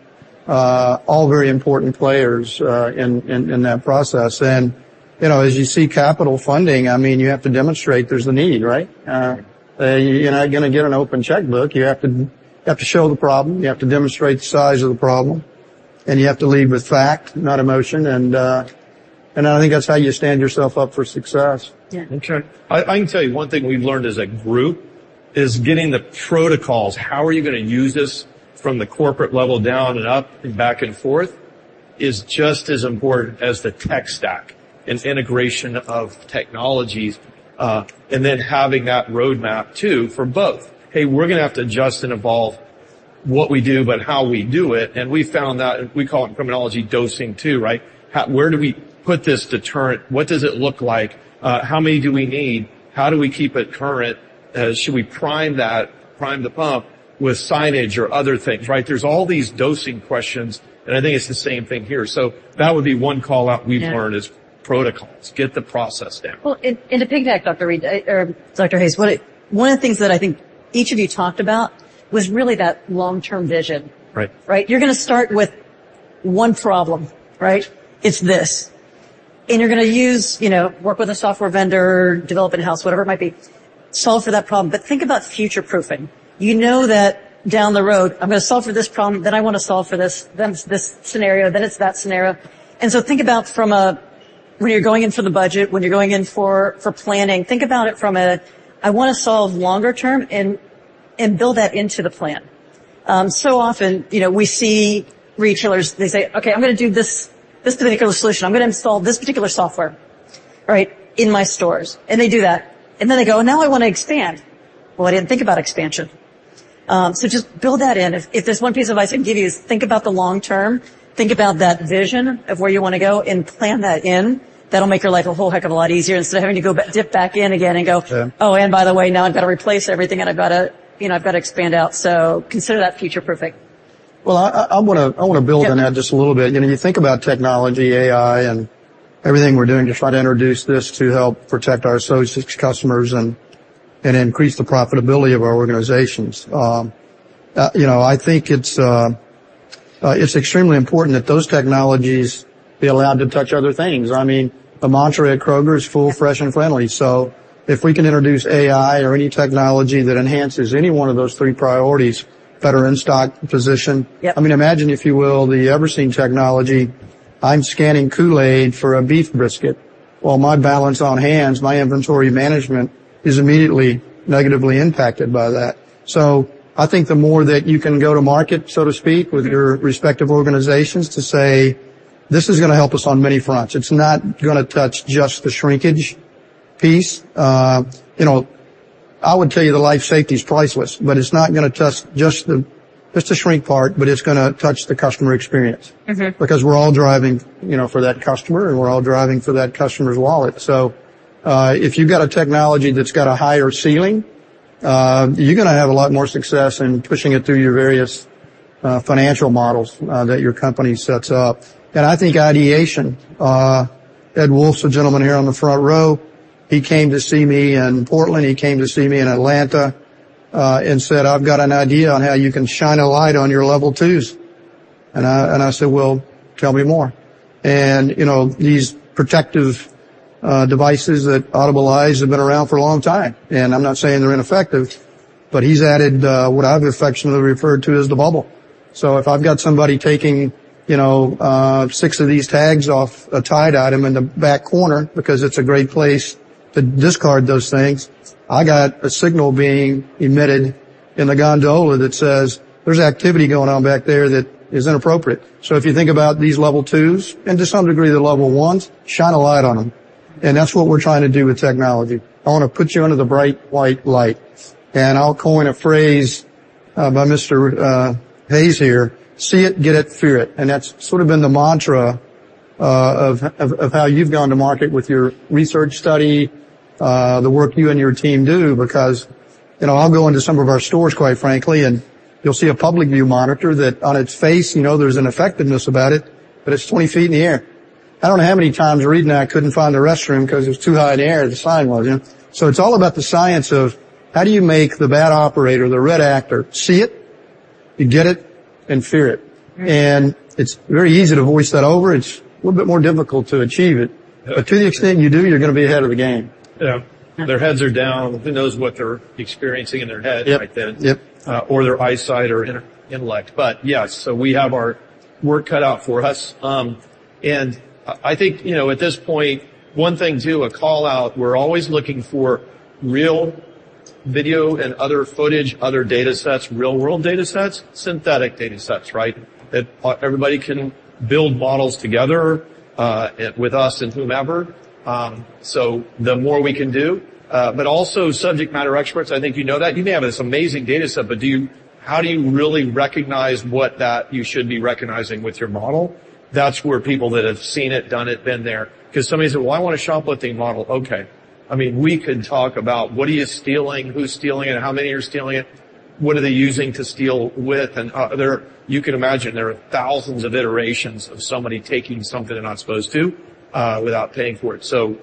all very important players in that process. And, you know, as you see capital funding, I mean, you have to demonstrate there's a need, right? You're not gonna get an open checkbook. You have to, you have to show the problem, you have to demonstrate the size of the problem, and you have to lead with fact, not emotion. And, and I think that's how you stand yourself up for success. Yeah. Okay. I can tell you one thing we've learned as a group, is getting the protocols, how are you gonna use this from the corporate level down and up, and back and forth, is just as important as the tech stack and integration of technologies. And then having that roadmap too, for both. "Hey, we're gonna have to adjust and evolve what we do, but how we do it," and we found that, we call it in criminology, dosing too, right? Where do we put this deterrent? What does it look like? How many do we need? How do we keep it current? Should we prime that, prime the pump with signage or other things, right? There's all these dosing questions, and I think it's the same thing here. So that would be one call-out we've learned is protocols. Get the process down. Well, and to piggyback, Dr. Read, or Dr. Hayes, one of the things that I think each of you talked about was really that long-term vision. Right. Right? You're gonna start with one problem, right? It's this, and you're gonna use, you know, work with a software vendor, develop in-house, whatever it might be, solve for that problem. But think about future-proofing. You know that down the road, I'm gonna solve for this problem, then I want to solve for this, then this scenario, then it's that scenario. And so think about from a, when you're going in for the budget, when you're going in for, for planning, think about it from a, "I want to solve longer term," and, and build that into the plan. So often, you know, we see retailers, they say, "Okay, I'm gonna do this, this particular solution. I'm gonna install this particular software, right, in my stores." And they do that, and then they go, "Now I want to expand. Well, I didn't think about expansion. So just build that in. If there's one piece of advice I can give you, is think about the long term, think about that vision of where you want to go, and plan that in. That'll make your life a whole heck of a lot easier, instead of having to go back-dip back in again and go. Oh, and by the way, now I've got to replace everything, and I've got to, you know, I've got to expand out." So consider that future perfect. Well, I wanna build on that just a little bit. You know, you think about technology, AI, and everything we're doing to try to introduce this to help protect our associates, customers, and increase the profitability of our organizations. You know, I think it's extremely important that those technologies be allowed to touch other things. I mean, the mantra at Kroger is, "Full, fresh, and friendly." So if we can introduce AI or any technology that enhances any one of those three priorities, better in-stock position. Yep. I mean, imagine, if you will, the Everseen technology. I'm scanning Kool-Aid for a beef brisket, while my balance on hands, my inventory management, is immediately negatively impacted by that. So I think the more that you can go to market, so to speak, with your respective organizations to say, "This is gonna help us on many fronts. It's not gonna touch just the shrinkage piece, you know, I would tell you the life safety is priceless, but it's not gonna touch just the shrink part, but it's gonna touch the customer experience. Mm-hmm. Because we're all driving, you know, for that customer, and we're all driving for that customer's wallet. So, if you've got a technology that's got a higher ceiling, you're gonna have a lot more success in pushing it through your various, financial models, that your company sets up. And I think ideation, Ed Wolf, the gentleman here on the front row, he came to see me in Portland, he came to see me in Atlanta, and said, "I've got an idea on how you can shine a light on your level twos." And I said, "Well, tell me more." And, you know, these protective, devices that audibilize have been around for a long time, and I'm not saying they're ineffective, but he's added, what I've affectionately referred to as the bubble. So if I've got somebody taking, you know, six of these tags off a Tide item in the back corner, because it's a great place to discard those things, I got a signal being emitted in the gondola that says, "There's activity going on back there that is inappropriate." So if you think about these level twos, and to some degree, the level ones, shine a light on them, and that's what we're trying to do with technology. I wanna put you under the bright white light, and I'll coin a phrase, by Mr. Hayes here: see it, get it, fear it. That's sort of been the mantra of how you've gone to market with your research study, the work you and your team do, because, you know, I'll go into some of our stores, quite frankly, and you'll see a public view monitor that on its face, you know, there's an effectiveness about it, but it's 20 feet in the air. I don't know how many times, reading that, I couldn't find a restroom 'cause it was too high in the air, the sign was, you know? So it's all about the science of how do you make the bad operator, the bad actor, see it, get it, and fear it. Right. It's very easy to voice that over. It's a little bit more difficult to achieve it. But to the extent you do, you're gonna be ahead of the game. Yeah. Their heads are down. Who knows what they're experiencing in their head- Yep, yep... or their eyesight or their intellect. But yeah, so we have our work cut out for us. And I think, you know, at this point, one thing, too, a call-out, we're always looking for real video and other footage, other datasets, real-world datasets, synthetic datasets, right? That everybody can build models together with us and whomever. So the more we can do, but also subject matter experts, I think you know that. You may have this amazing dataset, but do you—how do you really recognize what that you should be recognizing with your model? That's where people that have seen it, done it, been there. 'Cause somebody said, "Well, I want a shoplifting model." Okay, I mean, we could talk about what are you stealing, who's stealing it, and how many are stealing it, what are they using to steal with? And, there, you can imagine there are thousands of iterations of somebody taking something they're not supposed to, without paying for it. So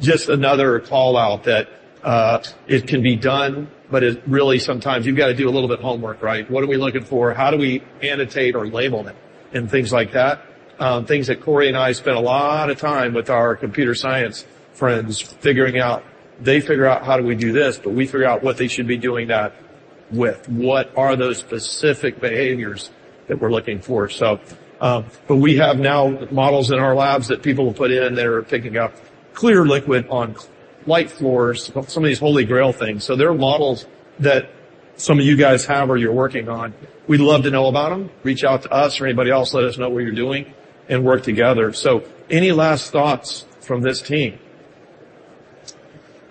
just another call-out that, it can be done, but it really, sometimes you've got to do a little bit of homework, right? What are we looking for? How do we annotate or label it? And things like that. Things that Cory and I spent a lot of time with our computer science friends figuring out. They figure out, how do we do this, but we figure out what they should be doing that with. What are those specific behaviors that we're looking for? So, but we have now models in our labs that people will put in that are picking up clear liquid on light floors, some of these holy grail things. There are models that some of you guys have or you're working on. We'd love to know about them. Reach out to us or anybody else, let us know what you're doing, and work together. Any last thoughts from this team?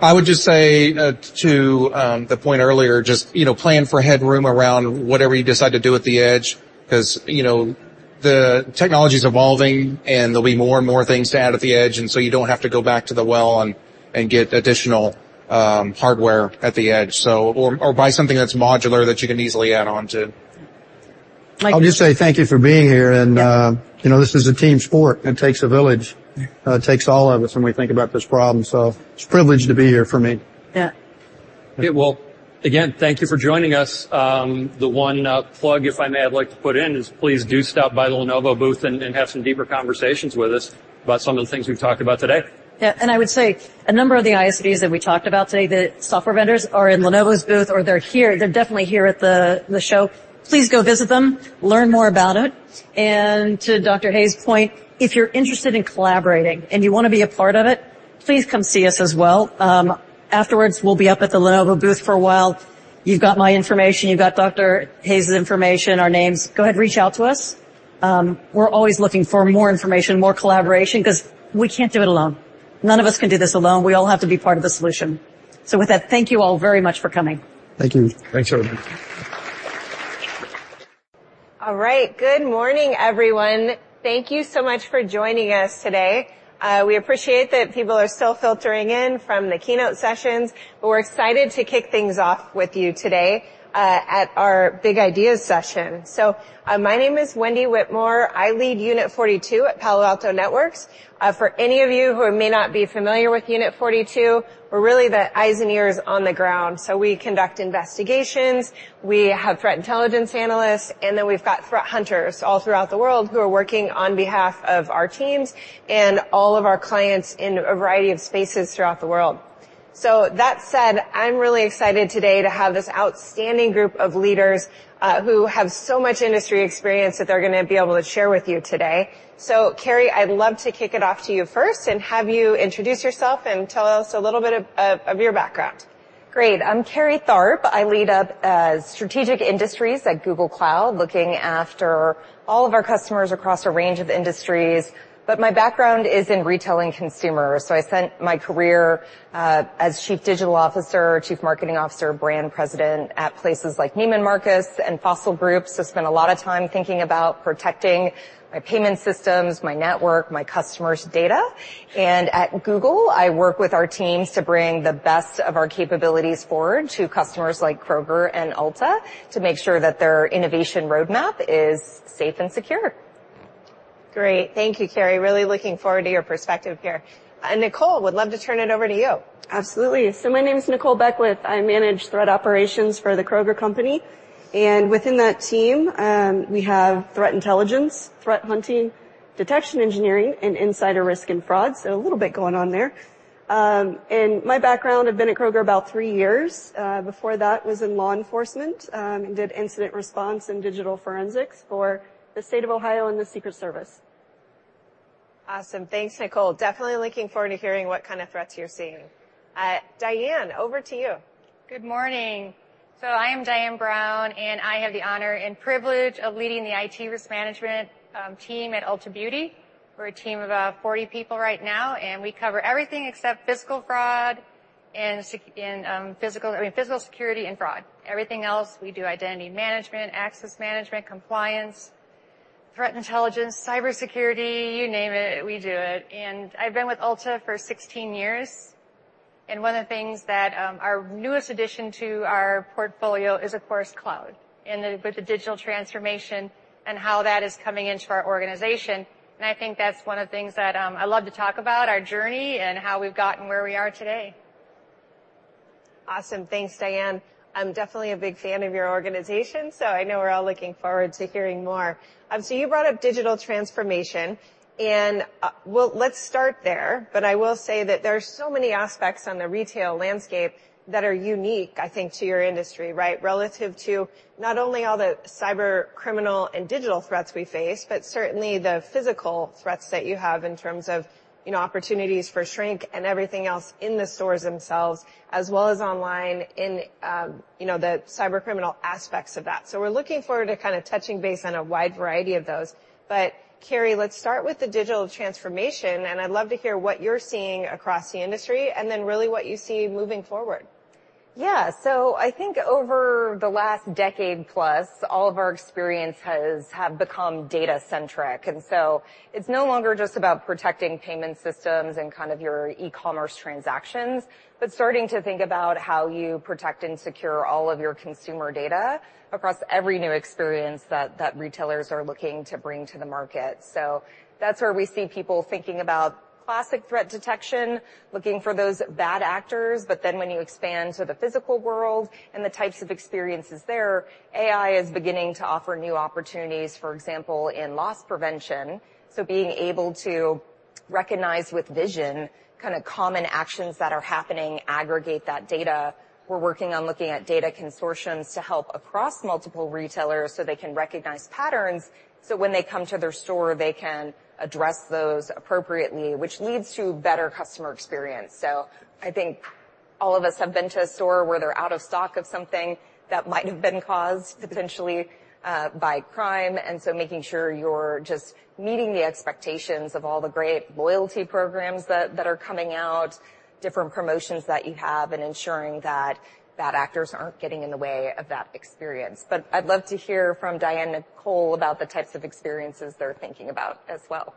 I would just say, to the point earlier, just, you know, plan for headroom around whatever you decide to do at the edge, 'cause, you know, the technology's evolving, and there'll be more and more things to add at the edge, and so you don't have to go back to the well and get additional hardware at the edge. So—Or buy something that's modular that you can easily add on to. I'll just say thank you for being here, and, you know, this is a team sport. It takes a village. It takes all of us when we think about this problem, so it's a privilege to be here for me. Yeah. Okay, well, again, thank you for joining us. The one plug, if I may, I'd like to put in is please do stop by the Lenovo booth and have some deeper conversations with us about some of the things we've talked about today. Yeah, and I would say a number of the ISVs that we talked about today, the software vendors, are in Lenovo's booth, or they're here. They're definitely here at the show. Please go visit them, learn more about it. And to Dr. Hayes' point, if you're interested in collaborating and you wanna be a part of it, please come see us as well. Afterwards, we'll be up at the Lenovo booth for a while. You've got my information, you've got Dr. Hayes' information, our names. Go ahead and reach out to us. We're always looking for more information, more collaboration, 'cause we can't do it alone. None of us can do this alone. We all have to be part of the solution. So with that, thank you all very much for coming. Thank you. Thanks, everyone. All right. Good morning, everyone. Thank you so much for joining us today. We appreciate that people are still filtering in from the keynote sessions, but we're excited to kick things off with you today at our Big Ideas session. So, my name is Wendi Whitmore. I lead Unit 42 at Palo Alto Networks. For any of you who may not be familiar with Unit 42, we're really the eyes and ears on the ground. So we conduct investigations, we have threat intelligence analysts, and then we've got threat hunters all throughout the world who are working on behalf of our teams and all of our clients in a variety of spaces throughout the world. So with that said, I'm really excited today to have this outstanding group of leaders who have so much industry experience that they're gonna be able to share with you today. So, Carrie, I'd love to kick it off to you first and have you introduce yourself and tell us a little bit of your background. Great. I'm Carrie Tharp. I lead up strategic industries at Google Cloud, looking after all of our customers across a range of industries, but my background is in retail and consumer. So I spent my career as chief digital officer, chief marketing officer, brand president at places like Neiman Marcus and Fossil Group. So I spent a lot of time thinking about protecting my payment systems, my network, my customers' data. And at Google, I work with our teams to bring the best of our capabilities forward to customers like Kroger and Ulta to make sure that their innovation roadmap is safe and secure. Great. Thank you, Carrie. Really looking forward to your perspective here. And Nicole, would love to turn it over to you. Absolutely. So my name is Nicole Beckwith. I manage threat operations for the Kroger Company, and within that team, we have threat intelligence, threat hunting, detection engineering, and insider risk and fraud. So a little bit going on there. And my background, I've been at Kroger about three years. Before that was in law enforcement, and did incident response and digital forensics for the State of Ohio and the Secret Service. Awesome. Thanks, Nicole. Definitely looking forward to hearing what kind of threats you're seeing. Diane, over to you. Good morning. I am Diane Brown, and I have the honor and privilege of leading the IT risk management team at Ulta Beauty. We're a team of about 40 people right now, and we cover everything except physical fraud and, I mean, physical security and fraud. Everything else, we do identity management, access management, compliance, threat intelligence, cybersecurity. You name it, we do it. I've been with Ulta for 16 years, and one of the things that our newest addition to our portfolio is, of course, cloud, and with the digital transformation and how that is coming into our organization. I think that's one of the things that I love to talk about, our journey and how we've gotten where we are today. Awesome. Thanks, Diane. I'm definitely a big fan of your organization, so I know we're all looking forward to hearing more. So you brought up digital transformation, and well, let's start there, but I will say that there are so many aspects on the retail landscape that are unique, I think, to your industry, right? Relative to not only all the cyber criminal and digital threats we face, but certainly the physical threats that you have in terms of, you know, opportunities for shrink and everything else in the stores themselves, as well as online in, you know, the cyber criminal aspects of that. So we're looking forward to kinda touching base on a wide variety of those. But Carrie, let's start with the digital transformation, and I'd love to hear what you're seeing across the industry and then really what you see moving forward. Yeah, so I think over the last decade plus, all of our experiences have become data-centric. And so it's no longer just about protecting payment systems and kind of your e-commerce transactions, but starting to think about how you protect and secure all of your consumer data across every new experience that retailers are looking to bring to the market. So that's where we see people thinking about classic threat detection, looking for those bad actors. But then when you expand to the physical world and the types of experiences there, AI is beginning to offer new opportunities, for example, in loss prevention. So being able to recognize with vision kinda common actions that are happening, aggregate that data. We're working on looking at data consortiums to help across multiple retailers, so they can recognize patterns, so when they come to their store, they can address those appropriately, which leads to better customer experience. So I think all of us have been to a store where they're out of stock of something that might have been caused potentially by crime. And so making sure you're just meeting the expectations of all the great loyalty programs that, that are coming out, different promotions that you have, and ensuring that bad actors aren't getting in the way of that experience. But I'd love to hear from Diane and Nicole about the types of experiences they're thinking about as well.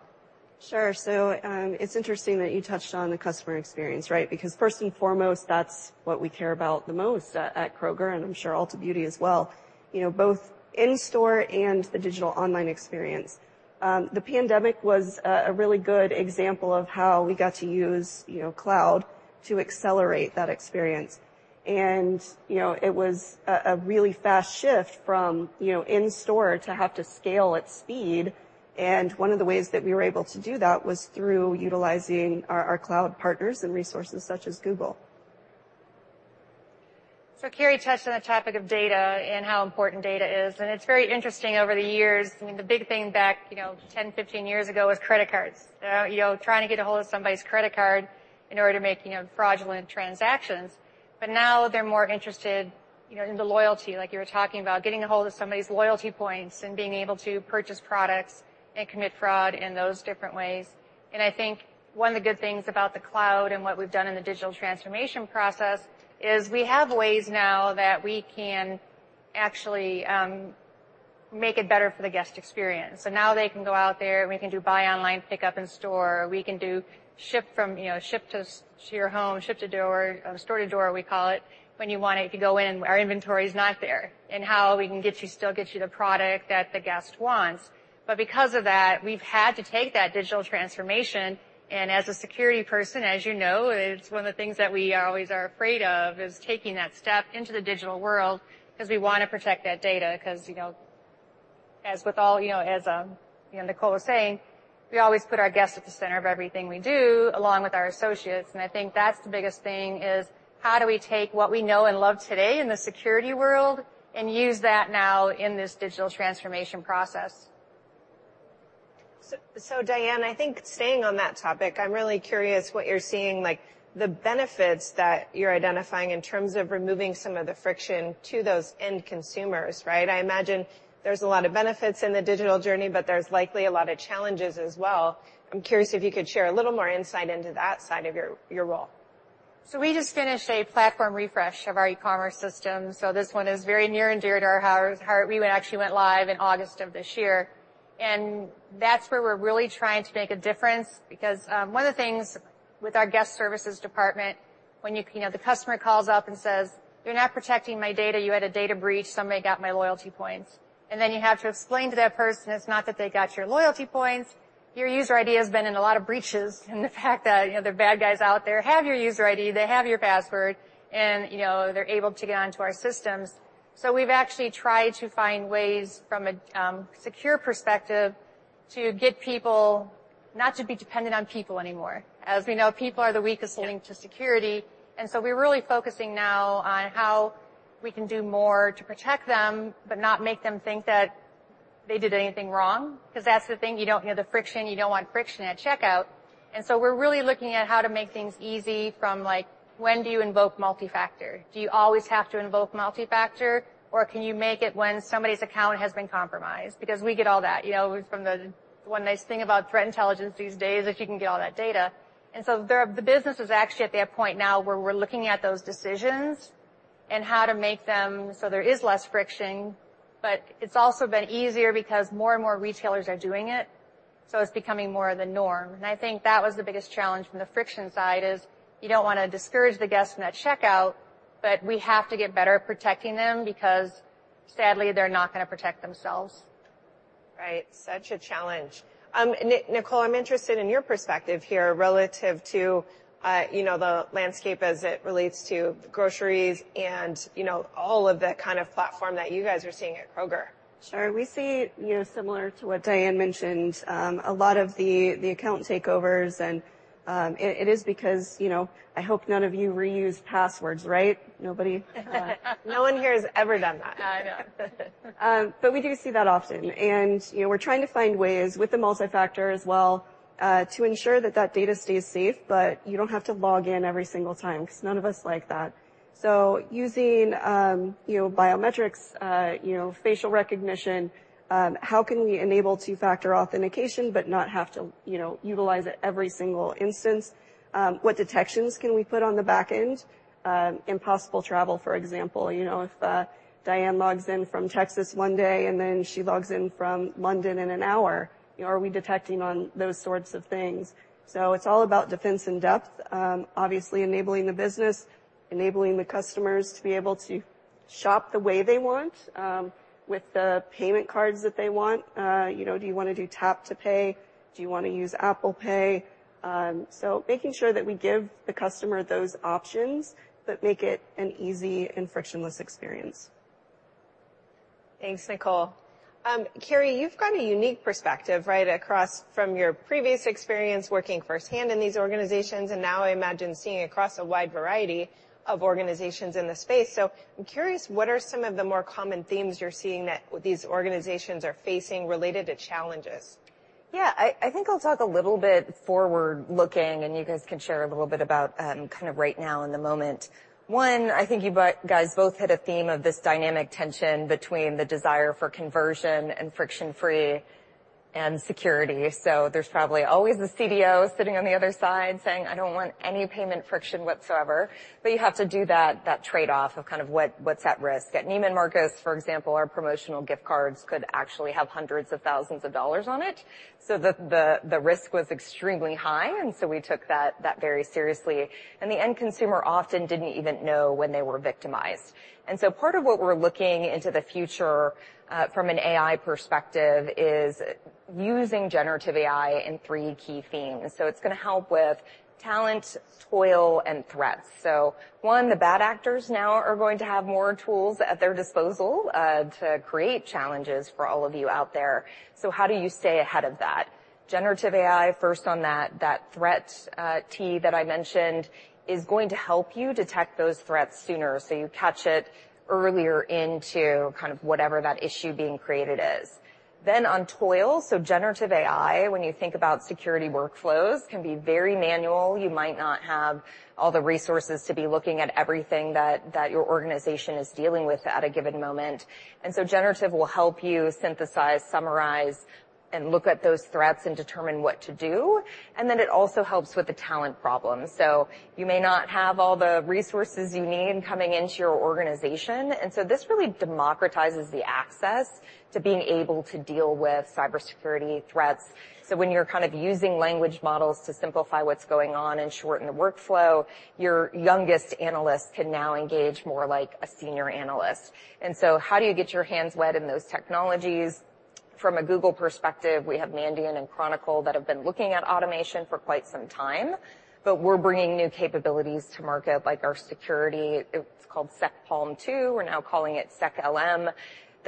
Sure. So, it's interesting that you touched on the customer experience, right? Because first and foremost, that's what we care about the most at Kroger, and I'm sure Ulta Beauty as well. You know, both in-store and the digital online experience. The pandemic was a really good example of how we got to use, you know, cloud to accelerate that experience. And, you know, it was a really fast shift from, you know, in-store to have to scale at speed. And one of the ways that we were able to do that was through utilizing our cloud partners and resources such as Google. So Carrie touched on the topic of data and how important data is, and it's very interesting over the years. I mean, the big thing back, you know, 10 years, 15 years ago was credit cards. You know, trying to get a hold of somebody's credit card in order to make, you know, fraudulent transactions. But now they're more interested, you know, in the loyalty, like you were talking about, getting a hold of somebody's loyalty points and being able to purchase products and commit fraud in those different ways. And I think one of the good things about the cloud and what we've done in the digital transformation process is we have ways now that we can actually make it better for the guest experience. So now they can go out there, and we can do buy online, pickup in store. We can do ship from here, ship to your home, ship to door, store to door, we call it, when you want to—if you go in and our inventory is not there, and how we can get you—still get you the product that the guest wants. But because of that, we've had to take that digital transformation, and as a security person, as you know, it's one of the things that we always are afraid of, is taking that step into the digital world because we wanna protect that data. 'Cause, you know, as with all—you know, as you know, Nicole was saying, we always put our guests at the center of everything we do, along with our associates. I think that's the biggest thing, is how do we take what we know and love today in the security world and use that now in this digital transformation process? So, so Diane, I think staying on that topic, I'm really curious what you're seeing, like the benefits that you're identifying in terms of removing some of the friction to those end consumers, right? I imagine there's a lot of benefits in the digital journey, but there's likely a lot of challenges as well. I'm curious if you could share a little more insight into that side of your, your role. So we just finished a platform refresh of our e-commerce system, so this one is very near and dear to our heart. We actually went live in August of this year, and that's where we're really trying to make a difference because, one of the things with our guest services department, when you, you know, the customer calls up and says: "You're not protecting my data. You had a data breach. Somebody got my loyalty points." And then you have to explain to that person, it's not that they got your loyalty points, your user ID has been in a lot of breaches, and the fact that, you know, the bad guys out there have your user ID, they have your password, and, you know, they're able to get onto our systems. We've actually tried to find ways from a secure perspective to get people not to be dependent on people anymore. As we know, people are the weakest link to security, and so we're really focusing now on how we can do more to protect them, but not make them think that they did anything wrong. Because that's the thing, you don't want the friction, you don't want friction at checkout. And so we're really looking at how to make things easy from, like, when do you invoke multi-factor? Do you always have to invoke multi-factor, or can you make it when somebody's account has been compromised? Because we get all that. You know, from the—One nice thing about threat intelligence these days is you can get all that data. So the business is actually at that point now where we're looking at those decisions and how to make them so there is less friction, but it's also been easier because more and more retailers are doing it, so it's becoming more of the norm. I think that was the biggest challenge from the friction side, is you don't wanna discourage the guest from that checkout, but we have to get better at protecting them because sadly, they're not gonna protect themselves. Right. Such a challenge. Nicole, I'm interested in your perspective here relative to, you know, the landscape as it relates to groceries and, you know, all of that kind of platform that you guys are seeing at Kroger. Sure. We see, you know, similar to what Diane mentioned, a lot of the account takeovers, and, it is because, you know—I hope none of you reuse passwords, right? Nobody? No one here has ever done that. I know. But we do see that often. And, you know, we're trying to find ways with the multi-factor as well, to ensure that that data stays safe, but you don't have to log in every single time, because none of us like that. So using, you know, biometrics, you know, facial recognition, how can we enable two-factor authentication but not have to, you know, utilize it every single instance? What detections can we put on the back end? Impossible travel, for example. You know, if Diane logs in from Texas one day, and then she logs in from London in an hour, you know, are we detecting on those sorts of things? So it's all about defense in depth. Obviously, enabling the business, enabling the customers to be able to shop the way they want, with the payment cards that they want. You know, do you wanna do tap to pay? Do you wanna use Apple Pay? So making sure that we give the customer those options, but make it an easy and frictionless experience. Thanks, Nicole. Carrie, you've got a unique perspective, right, across from your previous experience working firsthand in these organizations, and now I imagine seeing across a wide variety of organizations in the space. So I'm curious, what are some of the more common themes you're seeing that these organizations are facing related to challenges? Yeah, I think I'll talk a little bit forward-looking, and you guys can share a little bit about, kind of right now in the moment. One, I think you both guys both hit a theme of this dynamic tension between the desire for conversion and friction-free and security. So there's probably always the CDO sitting on the other side saying: "I don't want any payment friction whatsoever." But you have to do that trade-off of kind of what, what's at risk. At Neiman Marcus, for example, our promotional gift cards could actually have hundreds of thousands of dollars on it, so the risk was extremely high, and so we took that very seriously. And the end consumer often didn't even know when they were victimized. Part of what we're looking into the future, from an AI perspective, is using generative AI in three key themes. So it's gonna help with talent, toil, and threats. One, the bad actors now are going to have more tools at their disposal to create challenges for all of you out there. So how do you stay ahead of that? Generative AI, first on that threat that I mentioned, is going to help you detect those threats sooner, so you catch it earlier into kind of whatever that issue being created is. Then on toil, generative AI, when you think about security workflows, can be very manual. You might not have all the resources to be looking at everything that your organization is dealing with at a given moment. Generative will help you synthesize, summarize, and look at those threats and determine what to do. It also helps with the talent problem. You may not have all the resources you need coming into your organization, and this really democratizes the access to being able to deal with cybersecurity threats. When you're kind of using language models to simplify what's going on and shorten the workflow, your youngest analyst can now engage more like a senior analyst. How do you get your hands wet in those technologies? From a Google perspective, we have Mandiant and Chronicle that have been looking at automation for quite some time, but we're bringing new capabilities to market, like our security, it's called Sec-PaLM 2, we're now calling it Sec-LM.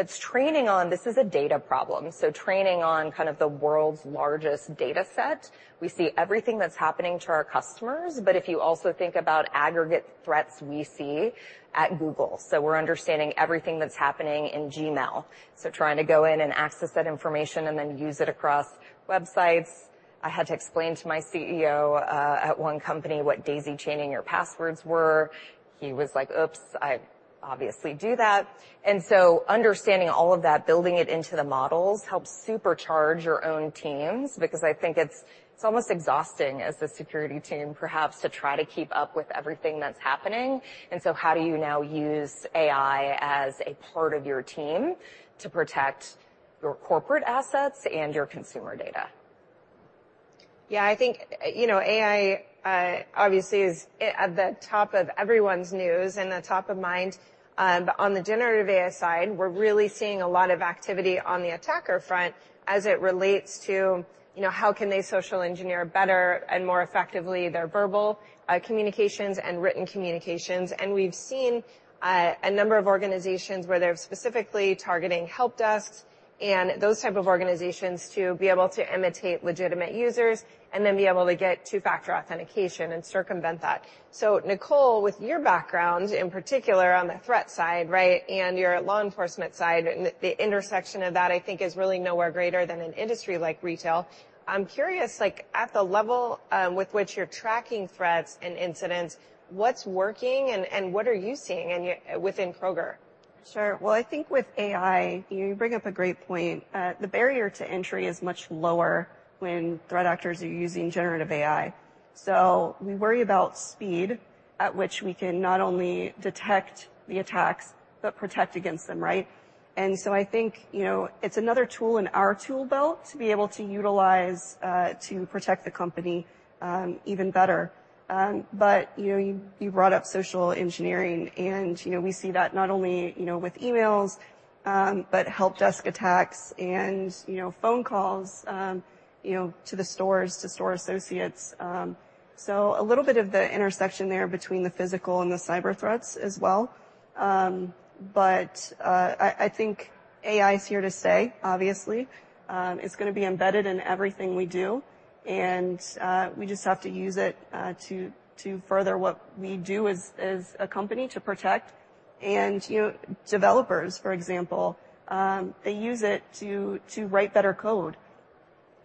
That's training on... This is a data problem, so training on kind of the world's largest data set. We see everything that's happening to our customers, but if you also think about aggregate threats we see at Google, so we're understanding everything that's happening in Gmail. So trying to go in and access that information, and then use it across websites. I had to explain to my CEO at one company what daisy chaining your passwords were. He was like: "Oops, I obviously do that." And so understanding all of that, building it into the models, helps supercharge your own teams because I think it's almost exhausting as a security team, perhaps, to try to keep up with everything that's happening. And so how do you now use AI as a part of your team to protect your corporate assets and your consumer data? Yeah, I think, you know, AI, obviously, is at the top of everyone's news and the top of mind. But on the generative AI side, we're really seeing a lot of activity on the attacker front as it relates to, you know, how can they social engineering better and more effectively their verbal, communications and written communications. And we've seen, a number of organizations where they're specifically targeting help desks and those type of organizations to be able to imitate legitimate users and then be able to get two-factor authentication and circumvent that. So, Nicole, with your background, in particular, on the threat side, right, and your law enforcement side, and the intersection of that, I think, is really nowhere greater than an industry like retail. I'm curious, like, at the level, with which you're tracking threats and incidents, what's working, and, and what are you seeing in your—within Kroger? Sure. Well, I think with AI, you bring up a great point. The barrier to entry is much lower when threat actors are using generative AI. So we worry about speed at which we can not only detect the attacks but protect against them, right? And so I think, you know, it's another tool in our tool belt to be able to utilize, to protect the company, even better. But, you know, you brought up social engineering, and, you know, we see that not only, you know, with emails, but help desk attacks and, you know, phone calls, you know, to the stores, to store associates. So a little bit of the intersection there between the physical and the cyber threats as well. But, I think AI is here to stay, obviously. It's gonna be embedded in everything we do, and we just have to use it to further what we do as a company to protect. And, you know, developers, for example, they use it to write better code.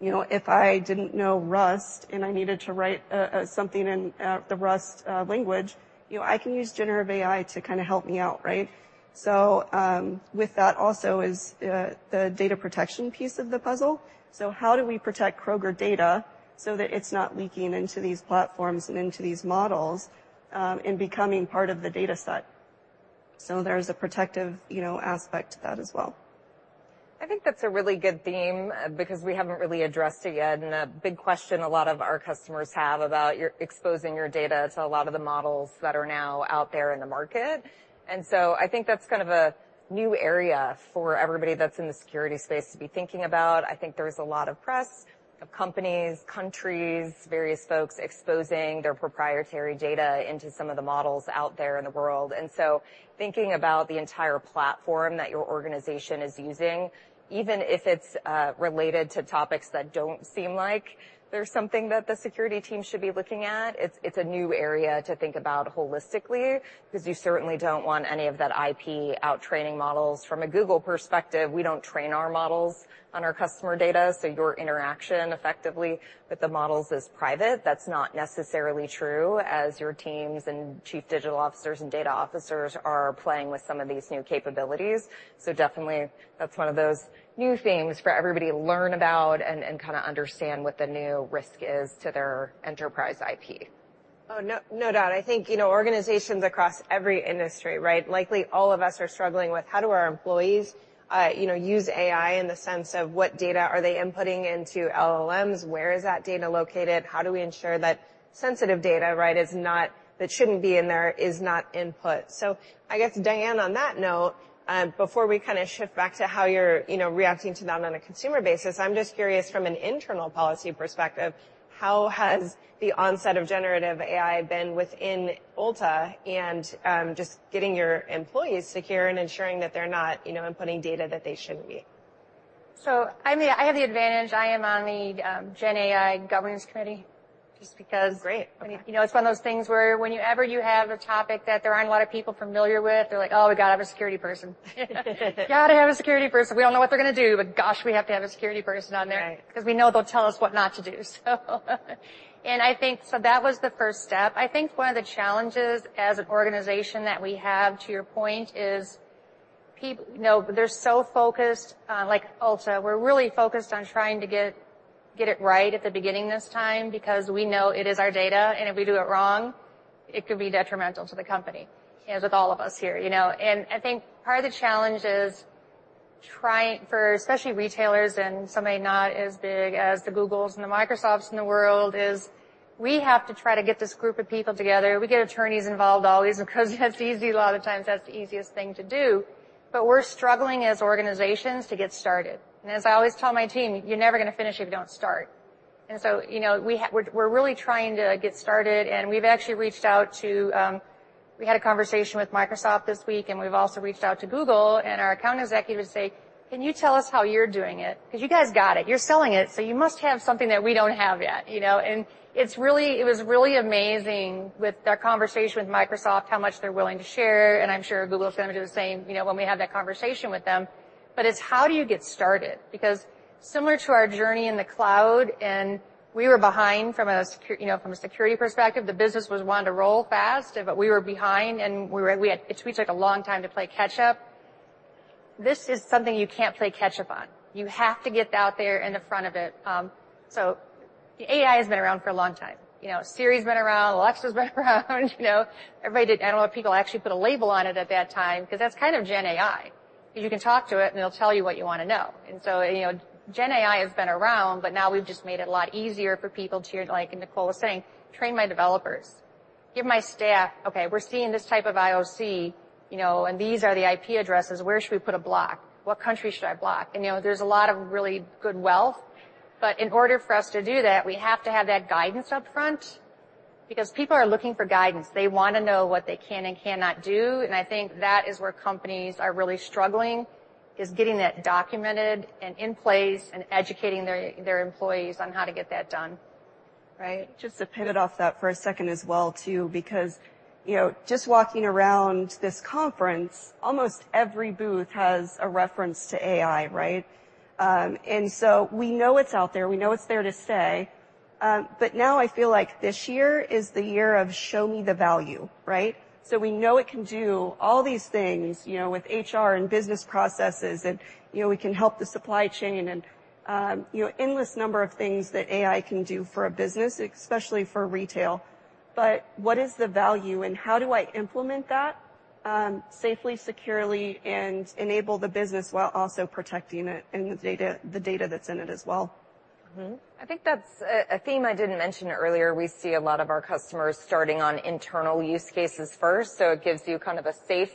You know, if I didn't know Rust and I needed to write something in the Rust language, you know, I can use generative AI to kinda help me out, right? So, with that also is the data protection piece of the puzzle. So how do we protect Kroger data so that it's not leaking into these platforms and into these models, and becoming part of the data set? So there's a protective, you know, aspect to that as well. I think that's a really good theme because we haven't really addressed it yet, and a big question a lot of our customers have about your exposing your data to a lot of the models that are now out there in the market. So I think that's kind of a new area for everybody that's in the security space to be thinking about. I think there's a lot of press of companies, countries, various folks exposing their proprietary data into some of the models out there in the world. So thinking about the entire platform that your organization is using, even if it's related to topics that don't seem like they're something that the security team should be looking at, it's a new area to think about holistically because you certainly don't want any of that IP out training models. From a Google perspective, we don't train our models on our customer data, so your interaction effectively with the models is private. That's not necessarily true as your teams and chief digital officers and data officers are playing with some of these new capabilities. So definitely, that's one of those new themes for everybody to learn about and, and kinda understand what the new risk is to their enterprise IP. Oh, no, no doubt. I think, you know, organizations across every industry, right, likely all of us are struggling with how do our employees use AI in the sense of what data are they inputting into LLMs? Where is that data located? How do we ensure that sensitive data, right, is not - that shouldn't be in there, is not input? So I guess, Diane, on that note, before we kinda shift back to how you're, you know, reacting to that on a consumer basis, I'm just curious, from an internal policy perspective, how has the onset of generative AI been within Ulta and just getting your employees secure and ensuring that they're not, you know, inputting data that they shouldn't be? I mean, I have the advantage. I am on the Gen AI Governance Committee, just because- Great. You know, it's one of those things where whenever you have a topic that there aren't a lot of people familiar with, they're like: "Oh, we gotta have a security person." "Gotta have a security person. We don't know what they're gonna do, but, gosh, we have to have a security person on there because we know they'll tell us what not to do." So, I think that was the first step. I think one of the challenges as an organization that we have, to your point, is—you know, they're so focused, like Ulta, we're really focused on trying to get it right at the beginning this time because we know it is our data, and if we do it wrong, it could be detrimental to the company, as with all of us here, you know? And I think part of the challenge is—for especially retailers and somebody not as big as the Googles and the Microsofts in the world—is we have to try to get this group of people together. We get attorneys involved always because that's easy. A lot of times, that's the easiest thing to do. But we're struggling as organizations to get started. And as I always tell my team: "You're never gonna finish if you don't start." And so, you know, we're really trying to get started, and we've actually reached out to—we had a conversation with Microsoft this week, and we've also reached out to Google and our account executives to say: "Can you tell us how you're doing it? Because you guys got it. You're selling it, so you must have something that we don't have yet," you know? And it was really amazing with our conversation with Microsoft, how much they're willing to share, and I'm sure Google is gonna do the same, you know, when we have that conversation with them, but it's how do you get started? Because similar to our journey in the cloud, and we were behind from a security—you know, from a security perspective. The business was wanting to roll fast, but we were behind, which we took a long time to play catch up. This is something you can't play catch up on. You have to get out there in the front of it. So AI has been around for a long time. You know, Siri's been around, Alexa's been around, you know. Everybody—I don't know if people actually put a label on it at that time, 'cause that's kind of Gen AI, 'cause you can talk to it, and it'll tell you what you wanna know. And so, you know, gen AI has been around, but now we've just made it a lot easier for people to, like Nicole was saying, train my developers. Give my staff, "Okay, we're seeing this type of IOC, you know, and these are the IP addresses. Where should we put a block? What country should I block?" And, you know, there's a lot of really good tools, but in order for us to do that, we have to have that guidance up front. Because people are looking for guidance. They wanna know what they can and cannot do, and I think that is where companies are really struggling, is getting that documented and in place and educating their employees on how to get that done, right? Just to pivot off that for a second as well, too, because, you know, just walking around this conference, almost every booth has a reference to AI, right? And so we know it's out there. We know it's there to stay, but now I feel like this year is the year of show me the value, right? So we know it can do all these things, you know, with HR and business processes and, you know, we can help the supply chain and, you know, endless number of things that AI can do for a business, especially for retail. But what is the value, and how do I implement that, safely, securely, and enable the business while also protecting it and the data, the data that's in it as well? Mm-hmm. I think that's a theme I didn't mention earlier. We see a lot of our customers starting on internal use cases first, so it gives you kind of a safe,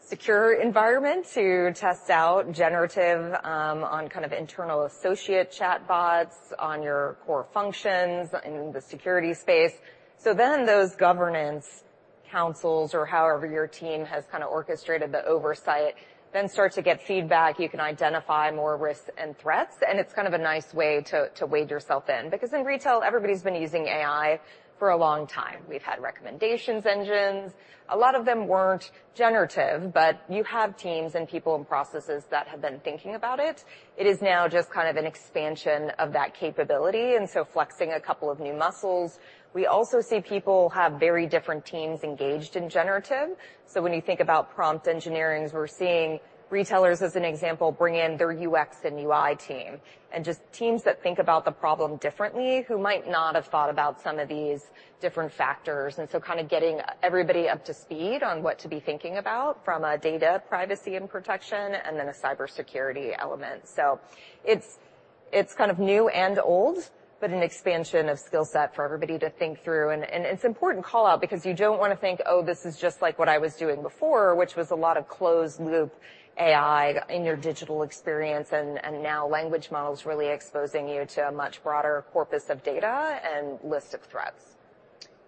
secure environment to test out generative on kind of internal associate chatbots, on your core functions, in the security space. So then those governance councils, or however your team has kinda orchestrated the oversight, then start to get feedback. You can identify more risks and threats, and it's kind of a nice way to wade yourself in. Because in retail, everybody's been using AI for a long time. We've had recommendations engines. A lot of them weren't generative, but you have teams and people and processes that have been thinking about it. It is now just kind of an expansion of that capability, and so flexing a couple of new muscles. We also see people have very different teams engaged in generative. So when you think about prompt engineering, we're seeing retailers, as an example, bring in their UX and UI team and just teams that think about the problem differently, who might not have thought about some of these different factors, and so kinda getting everybody up to speed on what to be thinking about from a data privacy and protection, and then a cybersecurity element. So it's, it's kind of new and old, but an expansion of skill set for everybody to think through. And, and it's important call-out because you don't wanna think, "Oh, this is just like what I was doing before," which was a lot of closed-loop AI in your digital experience. And, and now language models really exposing you to a much broader corpus of data and list of threats.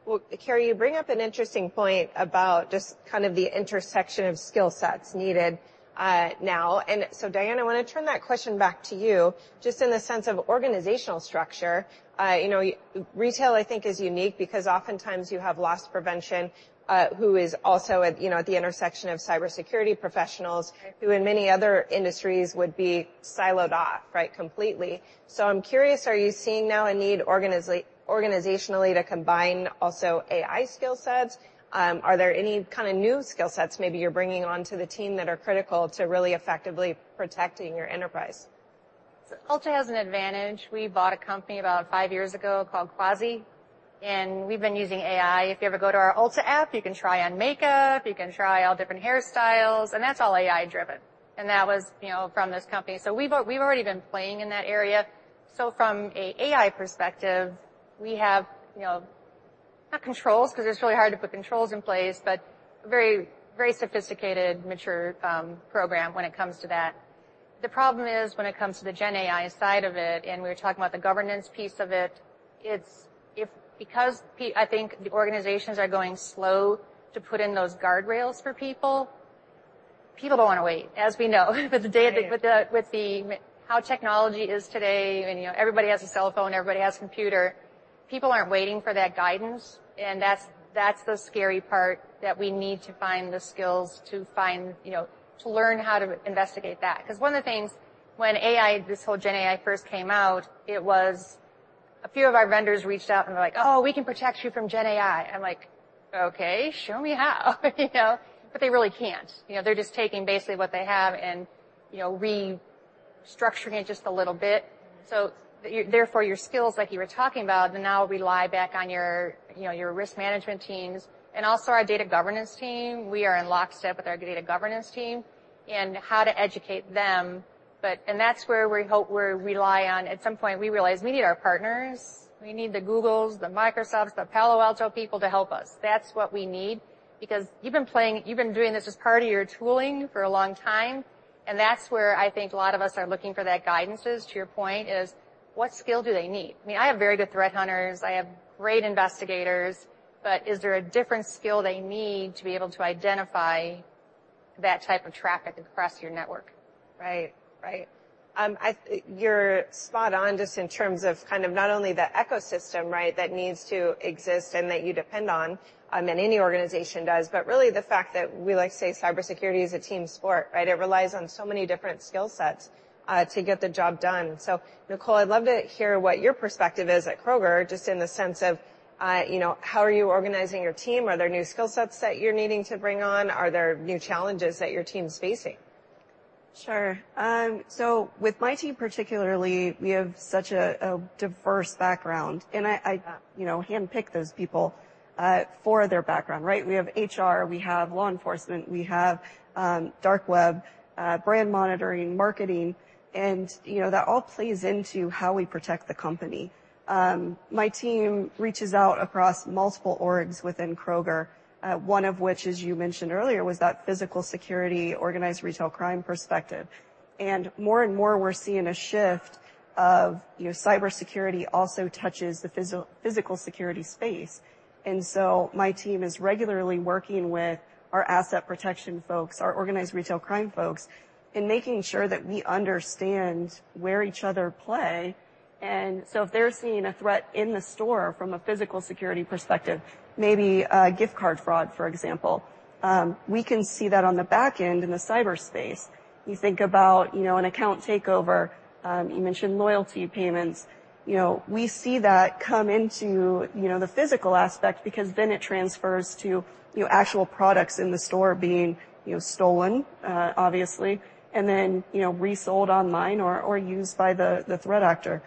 Well, Carrie, you bring up an interesting point about just kind of the intersection of skill sets needed, now. And so, Diane, I wanna turn that question back to you, just in the sense of organizational structure. You know, retail, I think, is unique because oftentimes you have loss prevention, who is also at, you know, at the intersection of cybersecurity professionals, who in many other industries would be siloed off, right, completely. So I'm curious, are you seeing now a need organizationally to combine also AI skill sets? Are there any kinda new skill sets maybe you're bringing onto the team that are critical to really effectively protecting your enterprise? So Ulta has an advantage. We bought a company about 5 years ago called QM Scientific, and we've been using AI. If you ever go to our Ulta app, you can try on makeup, you can try out different hairstyles, and that's all AI driven, and that was, you know, from this company. So we've already been playing in that area. So from a AI perspective, we have, you know, not controls, 'cause it's really hard to put controls in place, but very, very sophisticated, mature program when it comes to that. The problem is when it comes to the Gen AI side of it, and we were talking about the governance piece of it, it's because I think the organizations are going slow to put in those guardrails for people, people don't wanna wait, as we know. With the day and—with how technology is today, and, you know, everybody has a cell phone, everybody has a computer, people aren't waiting for that guidance. And that's the scary part, that we need to find the skills to find, you know, to learn how to investigate that. 'Cause one of the things, when AI, this whole Gen AI first came out, it was a few of our vendors reached out, and they're like, "Oh, we can protect you from Gen AI." I'm like, "Okay, show me how," you know? But they really can't. You know, they're just taking basically what they have and, you know, restructuring it just a little bit. So therefore, your skills, like you were talking about, now rely back on your, you know, your risk management teams and also our data governance team. We are in lockstep with our data governance team and how to educate them, but. And that's where we hope, we rely on, at some point, we realize we need our partners. We need the Googles, the Microsofts, the Palo Alto people to help us. That's what we need because you've been playing, you've been doing this as part of your tooling for a long time, and that's where I think a lot of us are looking for that guidance is, to your point, is what skill do they need? I mean, I have very good threat hunters. I have great investigators. But is there a different skill they need to be able to identify that type of traffic across your network? Right. Right. You're spot on, just in terms of kind of not only the ecosystem, right, that needs to exist and that you depend on, and any organization does, but really the fact that we like to say cybersecurity is a team sport, right? It relies on so many different skill sets to get the job done. So, Nicole, I'd love to hear what your perspective is at Kroger, just in the sense of, you know, how are you organizing your team? Are there new skill sets that you're needing to bring on? Are there new challenges that your team's facing? Sure. So with my team particularly, we have such a diverse background, and I you know handpicked those people for their background, right? We have HR, we have law enforcement, we have dark web brand monitoring, marketing, and you know that all plays into how we protect the company. My team reaches out across multiple orgs within Kroger, one of which, as you mentioned earlier, was that physical security, organized retail crime perspective. And more and more, we're seeing a shift of you know cybersecurity also touches the physical security space. And so my team is regularly working with our asset protection folks, our organized retail crime folks, in making sure that we understand where each other play. And so if they're seeing a threat in the store from a physical security perspective, maybe gift card fraud, for example, we can see that on the back end in the cyberspace. You think about, you know, an account takeover, you mentioned loyalty payments, you know, we see that come into, you know, the physical aspect because then it transfers to, you know, actual products in the store being, you know, stolen, obviously, and then, you know, resold online or used by the threat actor.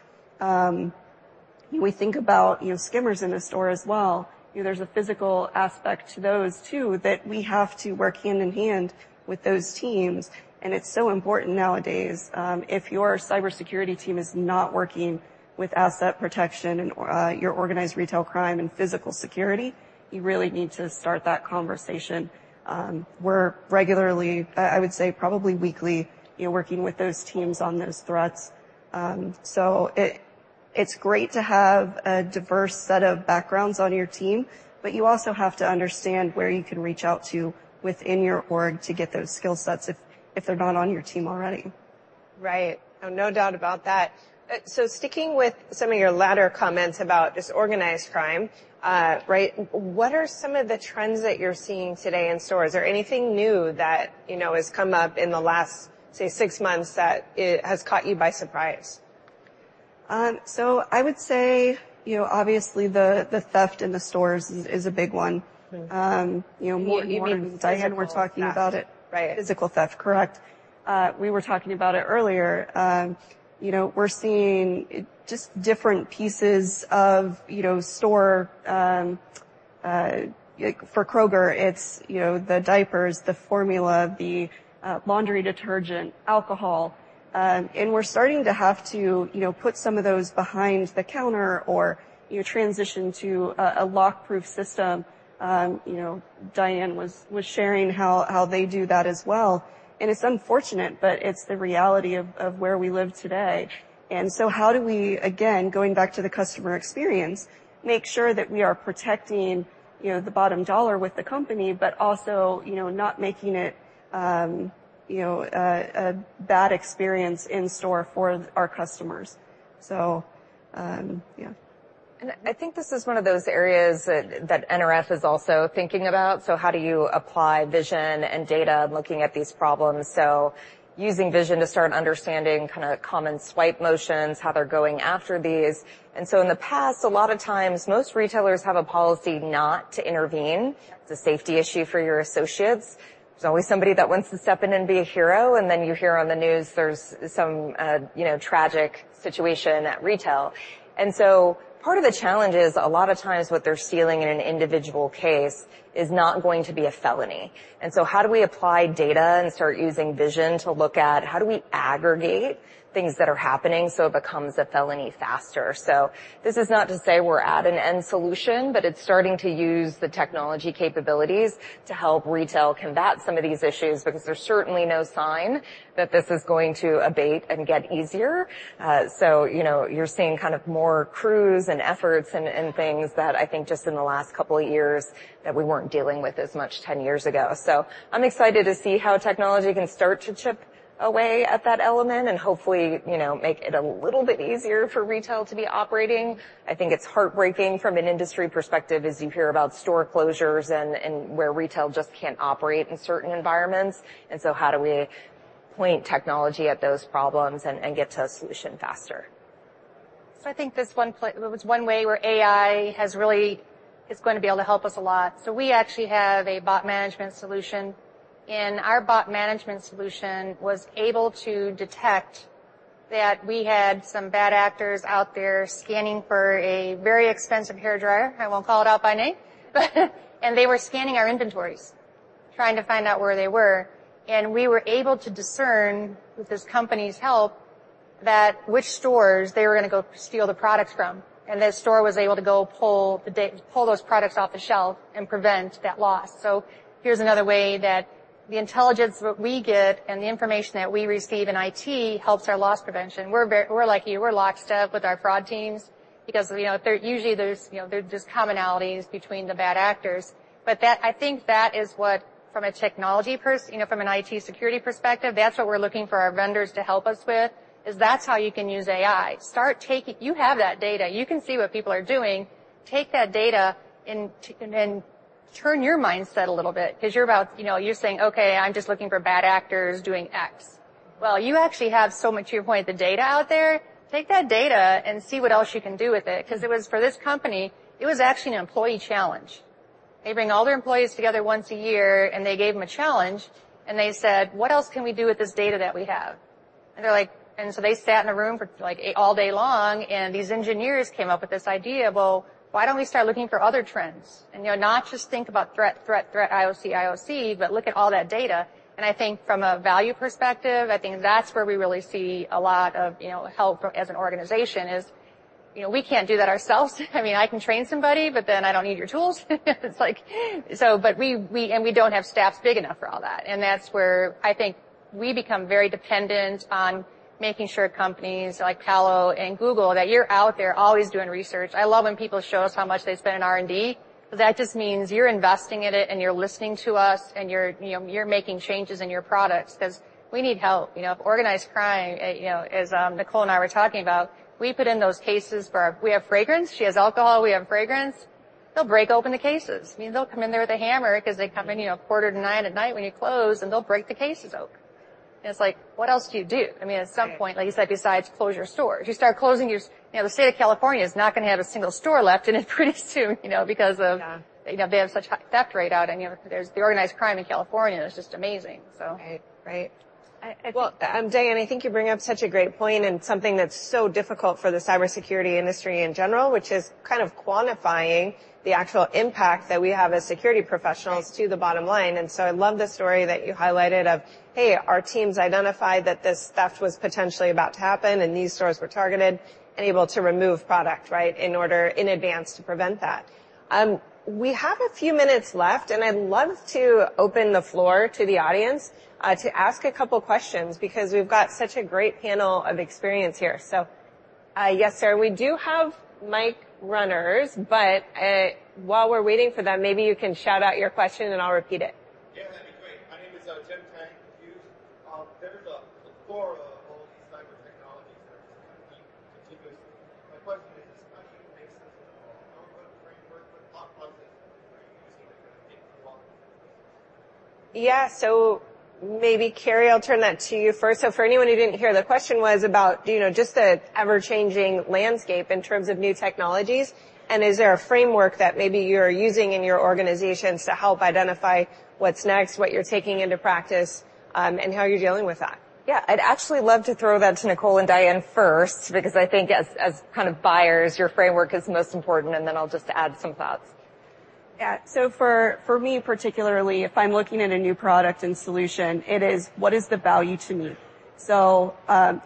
We think about, you know, skimmers in the store as well. You know, there's a physical aspect to those, too, that we have to work hand in hand with those teams, and it's so important nowadays. If your cybersecurity team is not working with asset protection and your organized retail crime and physical security, you really need to start that conversation. We're regularly, I would say probably weekly, you know, working with those teams on those threats. So it's great to have a diverse set of backgrounds on your team, but you also have to understand where you can reach out to within your org to get those skill sets if they're not on your team already. Right. Oh, no doubt about that. So sticking with some of your latter comments about this organized crime, right, what are some of the trends that you're seeing today in stores? Is there anything new that, you know, has come up in the last, say, six months, that it has caught you by surprise? I would say, you know, obviously, the theft in the stores is a big one. Mm. You know, more- You mean physical- and we're talking about it. Right. Physical theft, correct. We were talking about it earlier. You know, we're seeing just different pieces of, you know, store—for Kroger, it's, you know, the diapers, the formula, the, laundry detergent, alcohol. And we're starting to have to, you know, put some of those behind the counter or, you know, transition to a, a lock-proof system. You know, Diane was, was sharing how, how they do that as well, and it's unfortunate, but it's the reality of, of where we live today. And so how do we, again, going back to the customer experience, make sure that we are protecting, you know, the bottom dollar with the company, but also, you know, not making it, you know, a, a bad experience in store for our customers. So, yeah. I think this is one of those areas that, that NRF is also thinking about. How do you apply vision and data looking at these problems? Using vision to start understanding kind of common swipe motions, how they're going after these. In the past, a lot of times, most retailers have a policy not to intervene. Yeah. It's a safety issue for your associates. There's always somebody that wants to step in and be a hero, and then you hear on the news there's some, you know, tragic situation at retail. So part of the challenge is, a lot of times what they're stealing in an individual case is not going to be a felony. So how do we apply data and start using vision to look at how do we aggregate things that are happening so it becomes a felony faster? This is not to say we're at an end solution, but it's starting to use the technology capabilities to help retail combat some of these issues, because there's certainly no sign that this is going to abate and get easier. So, you know, you're seeing kind of more crews and efforts and things that I think just in the last couple of years, that we weren't dealing with as much 10 years ago. So I'm excited to see how technology can start to chip away at that element and hopefully, you know, make it a little bit easier for retail to be operating. I think it's heartbreaking from an industry perspective as you hear about store closures and where retail just can't operate in certain environments. And so how do we point technology at those problems and get to a solution faster? So I think this one was one way where AI has really is going to be able to help us a lot. So we actually have a bot management solution, and our bot management solution was able to detect that we had some bad actors out there scanning for a very expensive hairdryer. I won't call it out by name, but... And they were scanning our inventories, trying to find out where they were. And we were able to discern, with this company's help, that which stores they were going to go steal the products from, and that store was able to go pull those products off the shelf and prevent that loss. So here's another way that the intelligence that we get and the information that we receive in IT helps our loss prevention. We're very lucky, we're lockstep with our fraud teams because, you know, usually there's, you know, commonalities between the bad actors. But I think that is what from a technology pers you know, from an IT security perspective, that's what we're looking for our vendors to help us with, is that's how you can use AI. Start taking. You have that data. You can see what people are doing. Take that data and and turn your mindset a little bit because you're about, you know, you're saying: "Okay, I'm just looking for bad actors doing X." Well, you actually have so much, to your point, the data out there, take that data and see what else you can do with it. 'Cause it was. For this company, it was actually an employee challenge. They bring all their employees together once a year, and they gave them a challenge, and they said: "What else can we do with this data that we have?" And they're like—and so they sat in a room for, like, all day long, and these engineers came up with this idea: "Well, why don't we start looking for other trends? And, you know, not just think about threat, threat, threat, IOC, IOC, but look at all that data." And I think from a value perspective, I think that's where we really see a lot of, you know, help as an organization, is, you know, we can't do that ourselves. I mean, I can train somebody, but then I don't need your tools. It's like—so but we, we—and we don't have staffs big enough for all that. And that's where I think we become very dependent on making sure companies like Palo and Google, that you're out there always doing research. I love when people show us how much they spend on R&D, because that just means you're investing in it, and you're listening to us, and you're, you know, you're making changes in your products. 'Cause we need help. You know, if organized crime, you know, as, Nicole and I were talking about, we put in those cases for our—we have fragrance, she has alcohol, we have fragrance. They'll break open the cases. I mean, they'll come in there with a hammer because they come in, you know, 8:45 P.M. at night when you close, and they'll break the cases open. And it's like, what else do you do? I mean, at some point like you said, besides close your store. If you start closing your—you know, the state of California is not gonna have a single store left pretty soon, you know, because of, you know, they have such high theft rate out, and, you know, there's the organized crime in California is just amazing, so. Right. Right. I Well, Diane, I think you bring up such a great point and something that's so difficult for the cybersecurity industry in general, which is kind of quantifying the actual impact that we have as security professionals to the bottom line. And so I love the story that you highlighted of: Hey, our teams identified that this theft was potentially about to happen, and these stores were targeted and able to remove product, right, in order, in advance to prevent that. We have a few minutes left, and I'd love to open the floor to the audience, to ask a couple questions because we've got such a great panel of experience here. So, yes, sir, we do have mic runners, but, while we're waiting for them, maybe you can shout out your question, and I'll repeat it. Yeah, that'd be great. My name is Tim Tang, with Hughes. There's a plethora of all these cyber technologies that are just kinda unique, particularly. My question is, how do you make sense of all framework, but what was it that you're using that kind of takes a while? Yeah. So maybe, Carrie, I'll turn that to you first. So for anyone who didn't hear, the question was about, you know, just the ever-changing landscape in terms of new technologies, and is there a framework that maybe you're using in your organizations to help identify what's next, what you're taking into practice, and how you're dealing with that? Yeah. I'd actually love to throw that to Nicole and Diane first, because I think as kind of buyers, your framework is most important, and then I'll just add some thoughts. Yeah. So for me, particularly, if I'm looking at a new product and solution, it is: what is the value to me? So,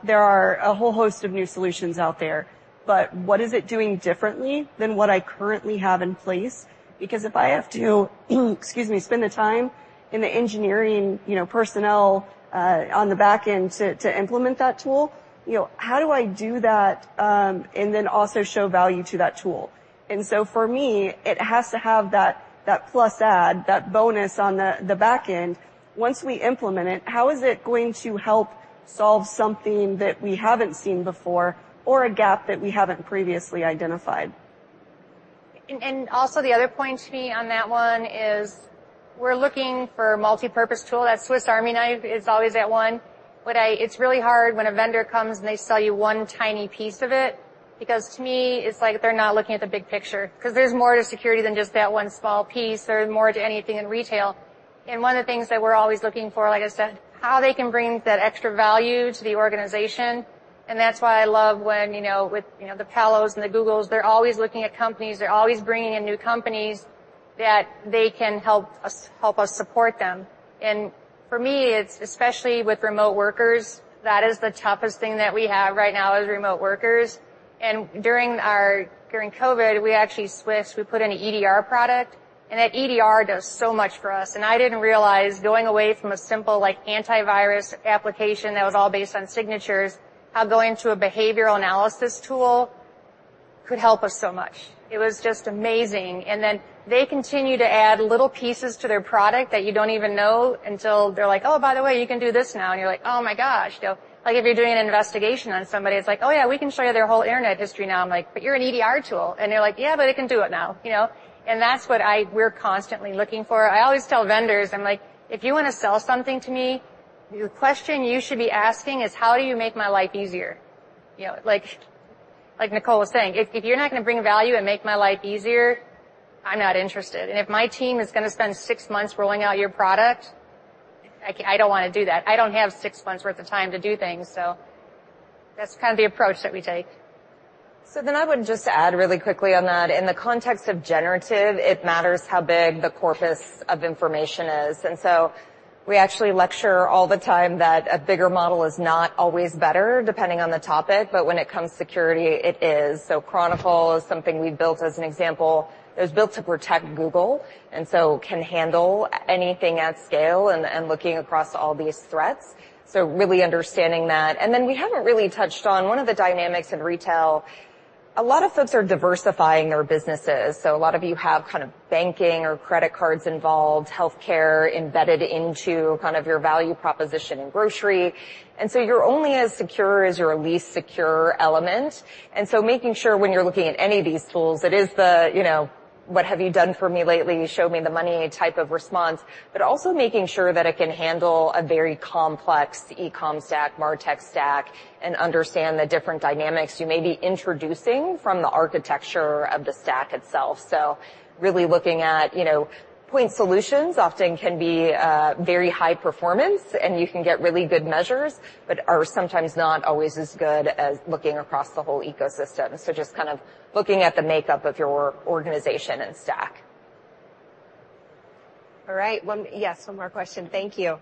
there are a whole host of new solutions out there, but what is it doing differently than what I currently have in place? Because if I have to, excuse me, spend the time and the engineering, you know, personnel on the back end to implement that tool, you know, how do I do that and then also show value to that tool? And so for me, it has to have that plus add, that bonus on the back end. Once we implement it, how is it going to help solve something that we haven't seen before or a gap that we haven't previously identified? Also, the other point to me on that one is we're looking for a multipurpose tool. That Swiss Army knife is always that one, but it's really hard when a vendor comes, and they sell you one tiny piece of it because, to me, it's like they're not looking at the big picture. 'Cause there's more to security than just that one small piece. There's more to anything in retail. And one of the things that we're always looking for, like I said, how they can bring that extra value to the organization, and that's why I love when, you know, with, you know, the Palos and the Googles, they're always looking at companies. They're always bringing in new companies that they can help us, help us support them. For me, it's especially with remote workers, that is the toughest thing that we have right now is remote workers. During COVID, we actually switched. We put in an EDR product, and that EDR does so much for us. And I didn't realize going away from a simple, like, antivirus application that was all based on signatures, how going to a behavioral analysis tool could help us so much. It was just amazing. And then they continue to add little pieces to their product that you don't even know until they're like: "Oh, by the way, you can do this now." And you're like: "Oh, my gosh!" They'll, like, if you're doing an investigation on somebody, it's like: "Oh, yeah, we can show you their whole internet history now." I'm like: "But you're an EDR tool." And they're like: "Yeah, but it can do it now," you know? And that's what we're constantly looking for. I always tell vendors, I'm like: "If you wanna sell something to me, the question you should be asking is, how do you make my life easier?" You know, like, like Nicole was saying, "If, if you're not gonna bring value and make my life easier, I'm not interested. And if my team is gonna spend six months rolling out your product, I don't wanna do that. I don't have six months worth of time to do things. So that's kind of the approach that we take. So then I would just add really quickly on that, in the context of generative, it matters how big the corpus of information is. And so we actually lecture all the time that a bigger model is not always better, depending on the topic, but when it comes to security, it is. So Chronicle is something we built as an example. It was built to protect Google, and so can handle anything at scale and looking across all these threats, so really understanding that. And then we haven't really touched on one of the dynamics in retail. A lot of folks are diversifying their businesses. So a lot of you have kind of banking or credit cards involved, healthcare embedded into kind of your value proposition in grocery. And so you're only as secure as your least secure element. And so making sure when you're looking at any of these tools, it is the, you know, what have you done for me lately? Show me the money type of response, but also making sure that it can handle a very complex e-com stack, MarTech stack, and understand the different dynamics you may be introducing from the architecture of the stack itself. So really looking at, you know, point solutions often can be very high performance, and you can get really good measures, but are sometimes not always as good as looking across the whole ecosystem. So just kind of looking at the makeup of your organization and stack. All right. Yes, one more question. Thank you.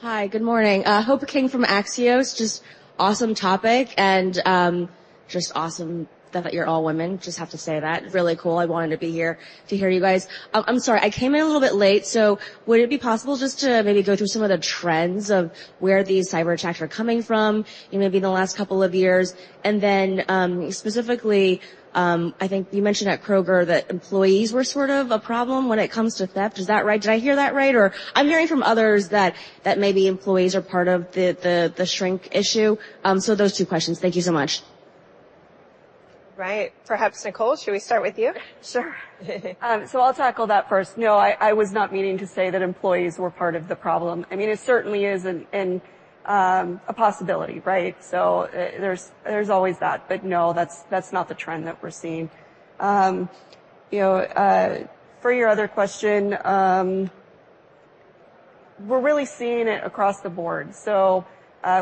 Hi. Good morning. Hope King from Axios. Just awesome topic, and just awesome that you're all women. Just have to say that. Really cool. I wanted to be here to hear you guys. I'm sorry, I came in a little bit late, so would it be possible just to maybe go through some of the trends of where these cyberattacks are coming from, you know, maybe in the last couple of years? And then, specifically, I think you mentioned at Kroger that employees were sort of a problem when it comes to theft. Is that right? Did I hear that right, or—I'm hearing from others that maybe employees are part of the shrink issue. So those two questions. Thank you so much. Right. Perhaps, Nicole, should we start with you? Sure. So I'll tackle that first. No, I, I was not meaning to say that employees were part of the problem. I mean, it certainly is an, a possibility, right? So there's, there's always that. But no, that's, that's not the trend that we're seeing. You know, for your other question, we're really seeing it across the board. So,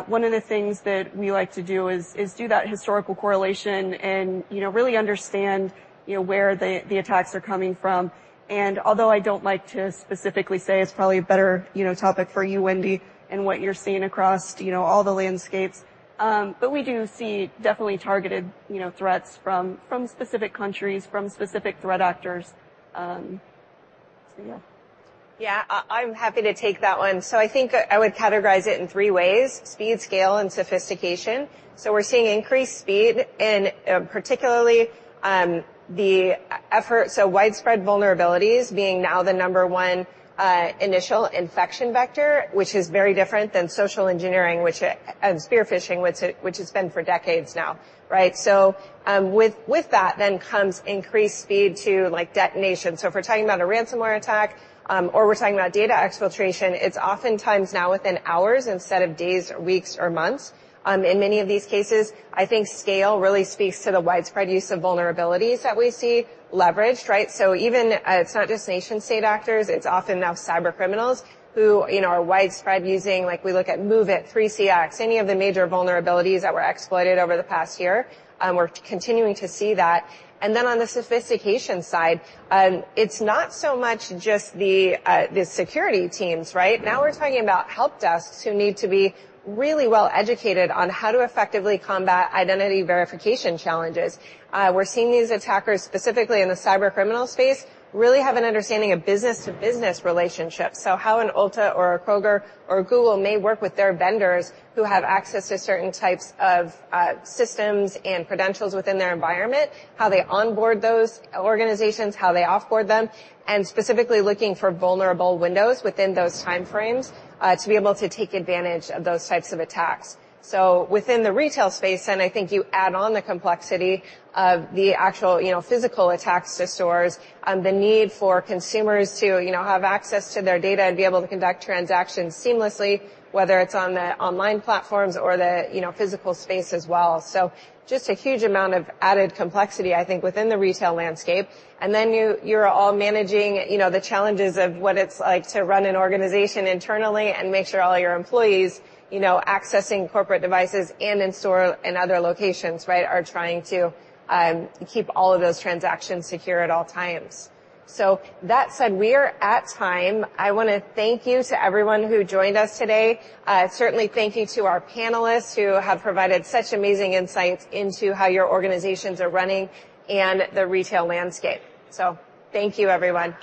one of the things that we like to do is, is do that historical correlation and, you know, really understand, you know, where the, the attacks are coming from. And although I don't like to specifically say, it's probably a better, you know, topic for you, Wendi, and what you're seeing across, you know, all the landscapes. But we do see definitely targeted, you know, threats from, from specific countries, from specific threat actors. So yeah. Yeah, I'm happy to take that one. So I think I would categorize it in three ways: speed, scale, and sophistication. So we're seeing increased speed in, particularly, widespread vulnerabilities being now the number one initial infection vector, which is very different than social engineering and spear phishing, which it's been for decades now, right? So, with that then comes increased speed to, like, detonation. So if we're talking about a ransomware attack, or we're talking about data exfiltration, it's oftentimes now within hours instead of days, or weeks, or months. In many of these cases, I think scale really speaks to the widespread use of vulnerabilities that we see leveraged, right? So even, it's not just nation-state actors, it's often now cybercriminals who, you know, are widespread using, like, we look at MOVEit, 3CX, any of the major vulnerabilities that were exploited over the past year, and we're continuing to see that. And then on the sophistication side, it's not so much just the, the security teams, right? Now we're talking about help desks who need to be really well educated on how to effectively combat identity verification challenges. We're seeing these attackers, specifically in the cybercriminal space, really have an understanding of business-to-business relationships. So how an Ulta or a Kroger or a Google may work with their vendors who have access to certain types of systems and credentials within their environment, how they onboard those organizations, how they off-board them, and specifically looking for vulnerable windows within those time frames, to be able to take advantage of those types of attacks. Within the retail space, then I think you add on the complexity of the actual, you know, physical attacks to stores, the need for consumers to, you know, have access to their data and be able to conduct transactions seamlessly, whether it's on the online platforms or the, you know, physical space as well. So just a huge amount of added complexity, I think, within the retail landscape. Then you, you're all managing, you know, the challenges of what it's like to run an organization internally and make sure all your employees, you know, accessing corporate devices and in-store and other locations, right, are trying to keep all of those transactions secure at all times. So that said, we are at time. I wanna thank you to everyone who joined us today. Certainly, thank you to our panelists who have provided such amazing insights into how your organizations are running and the retail landscape. So thank you, everyone.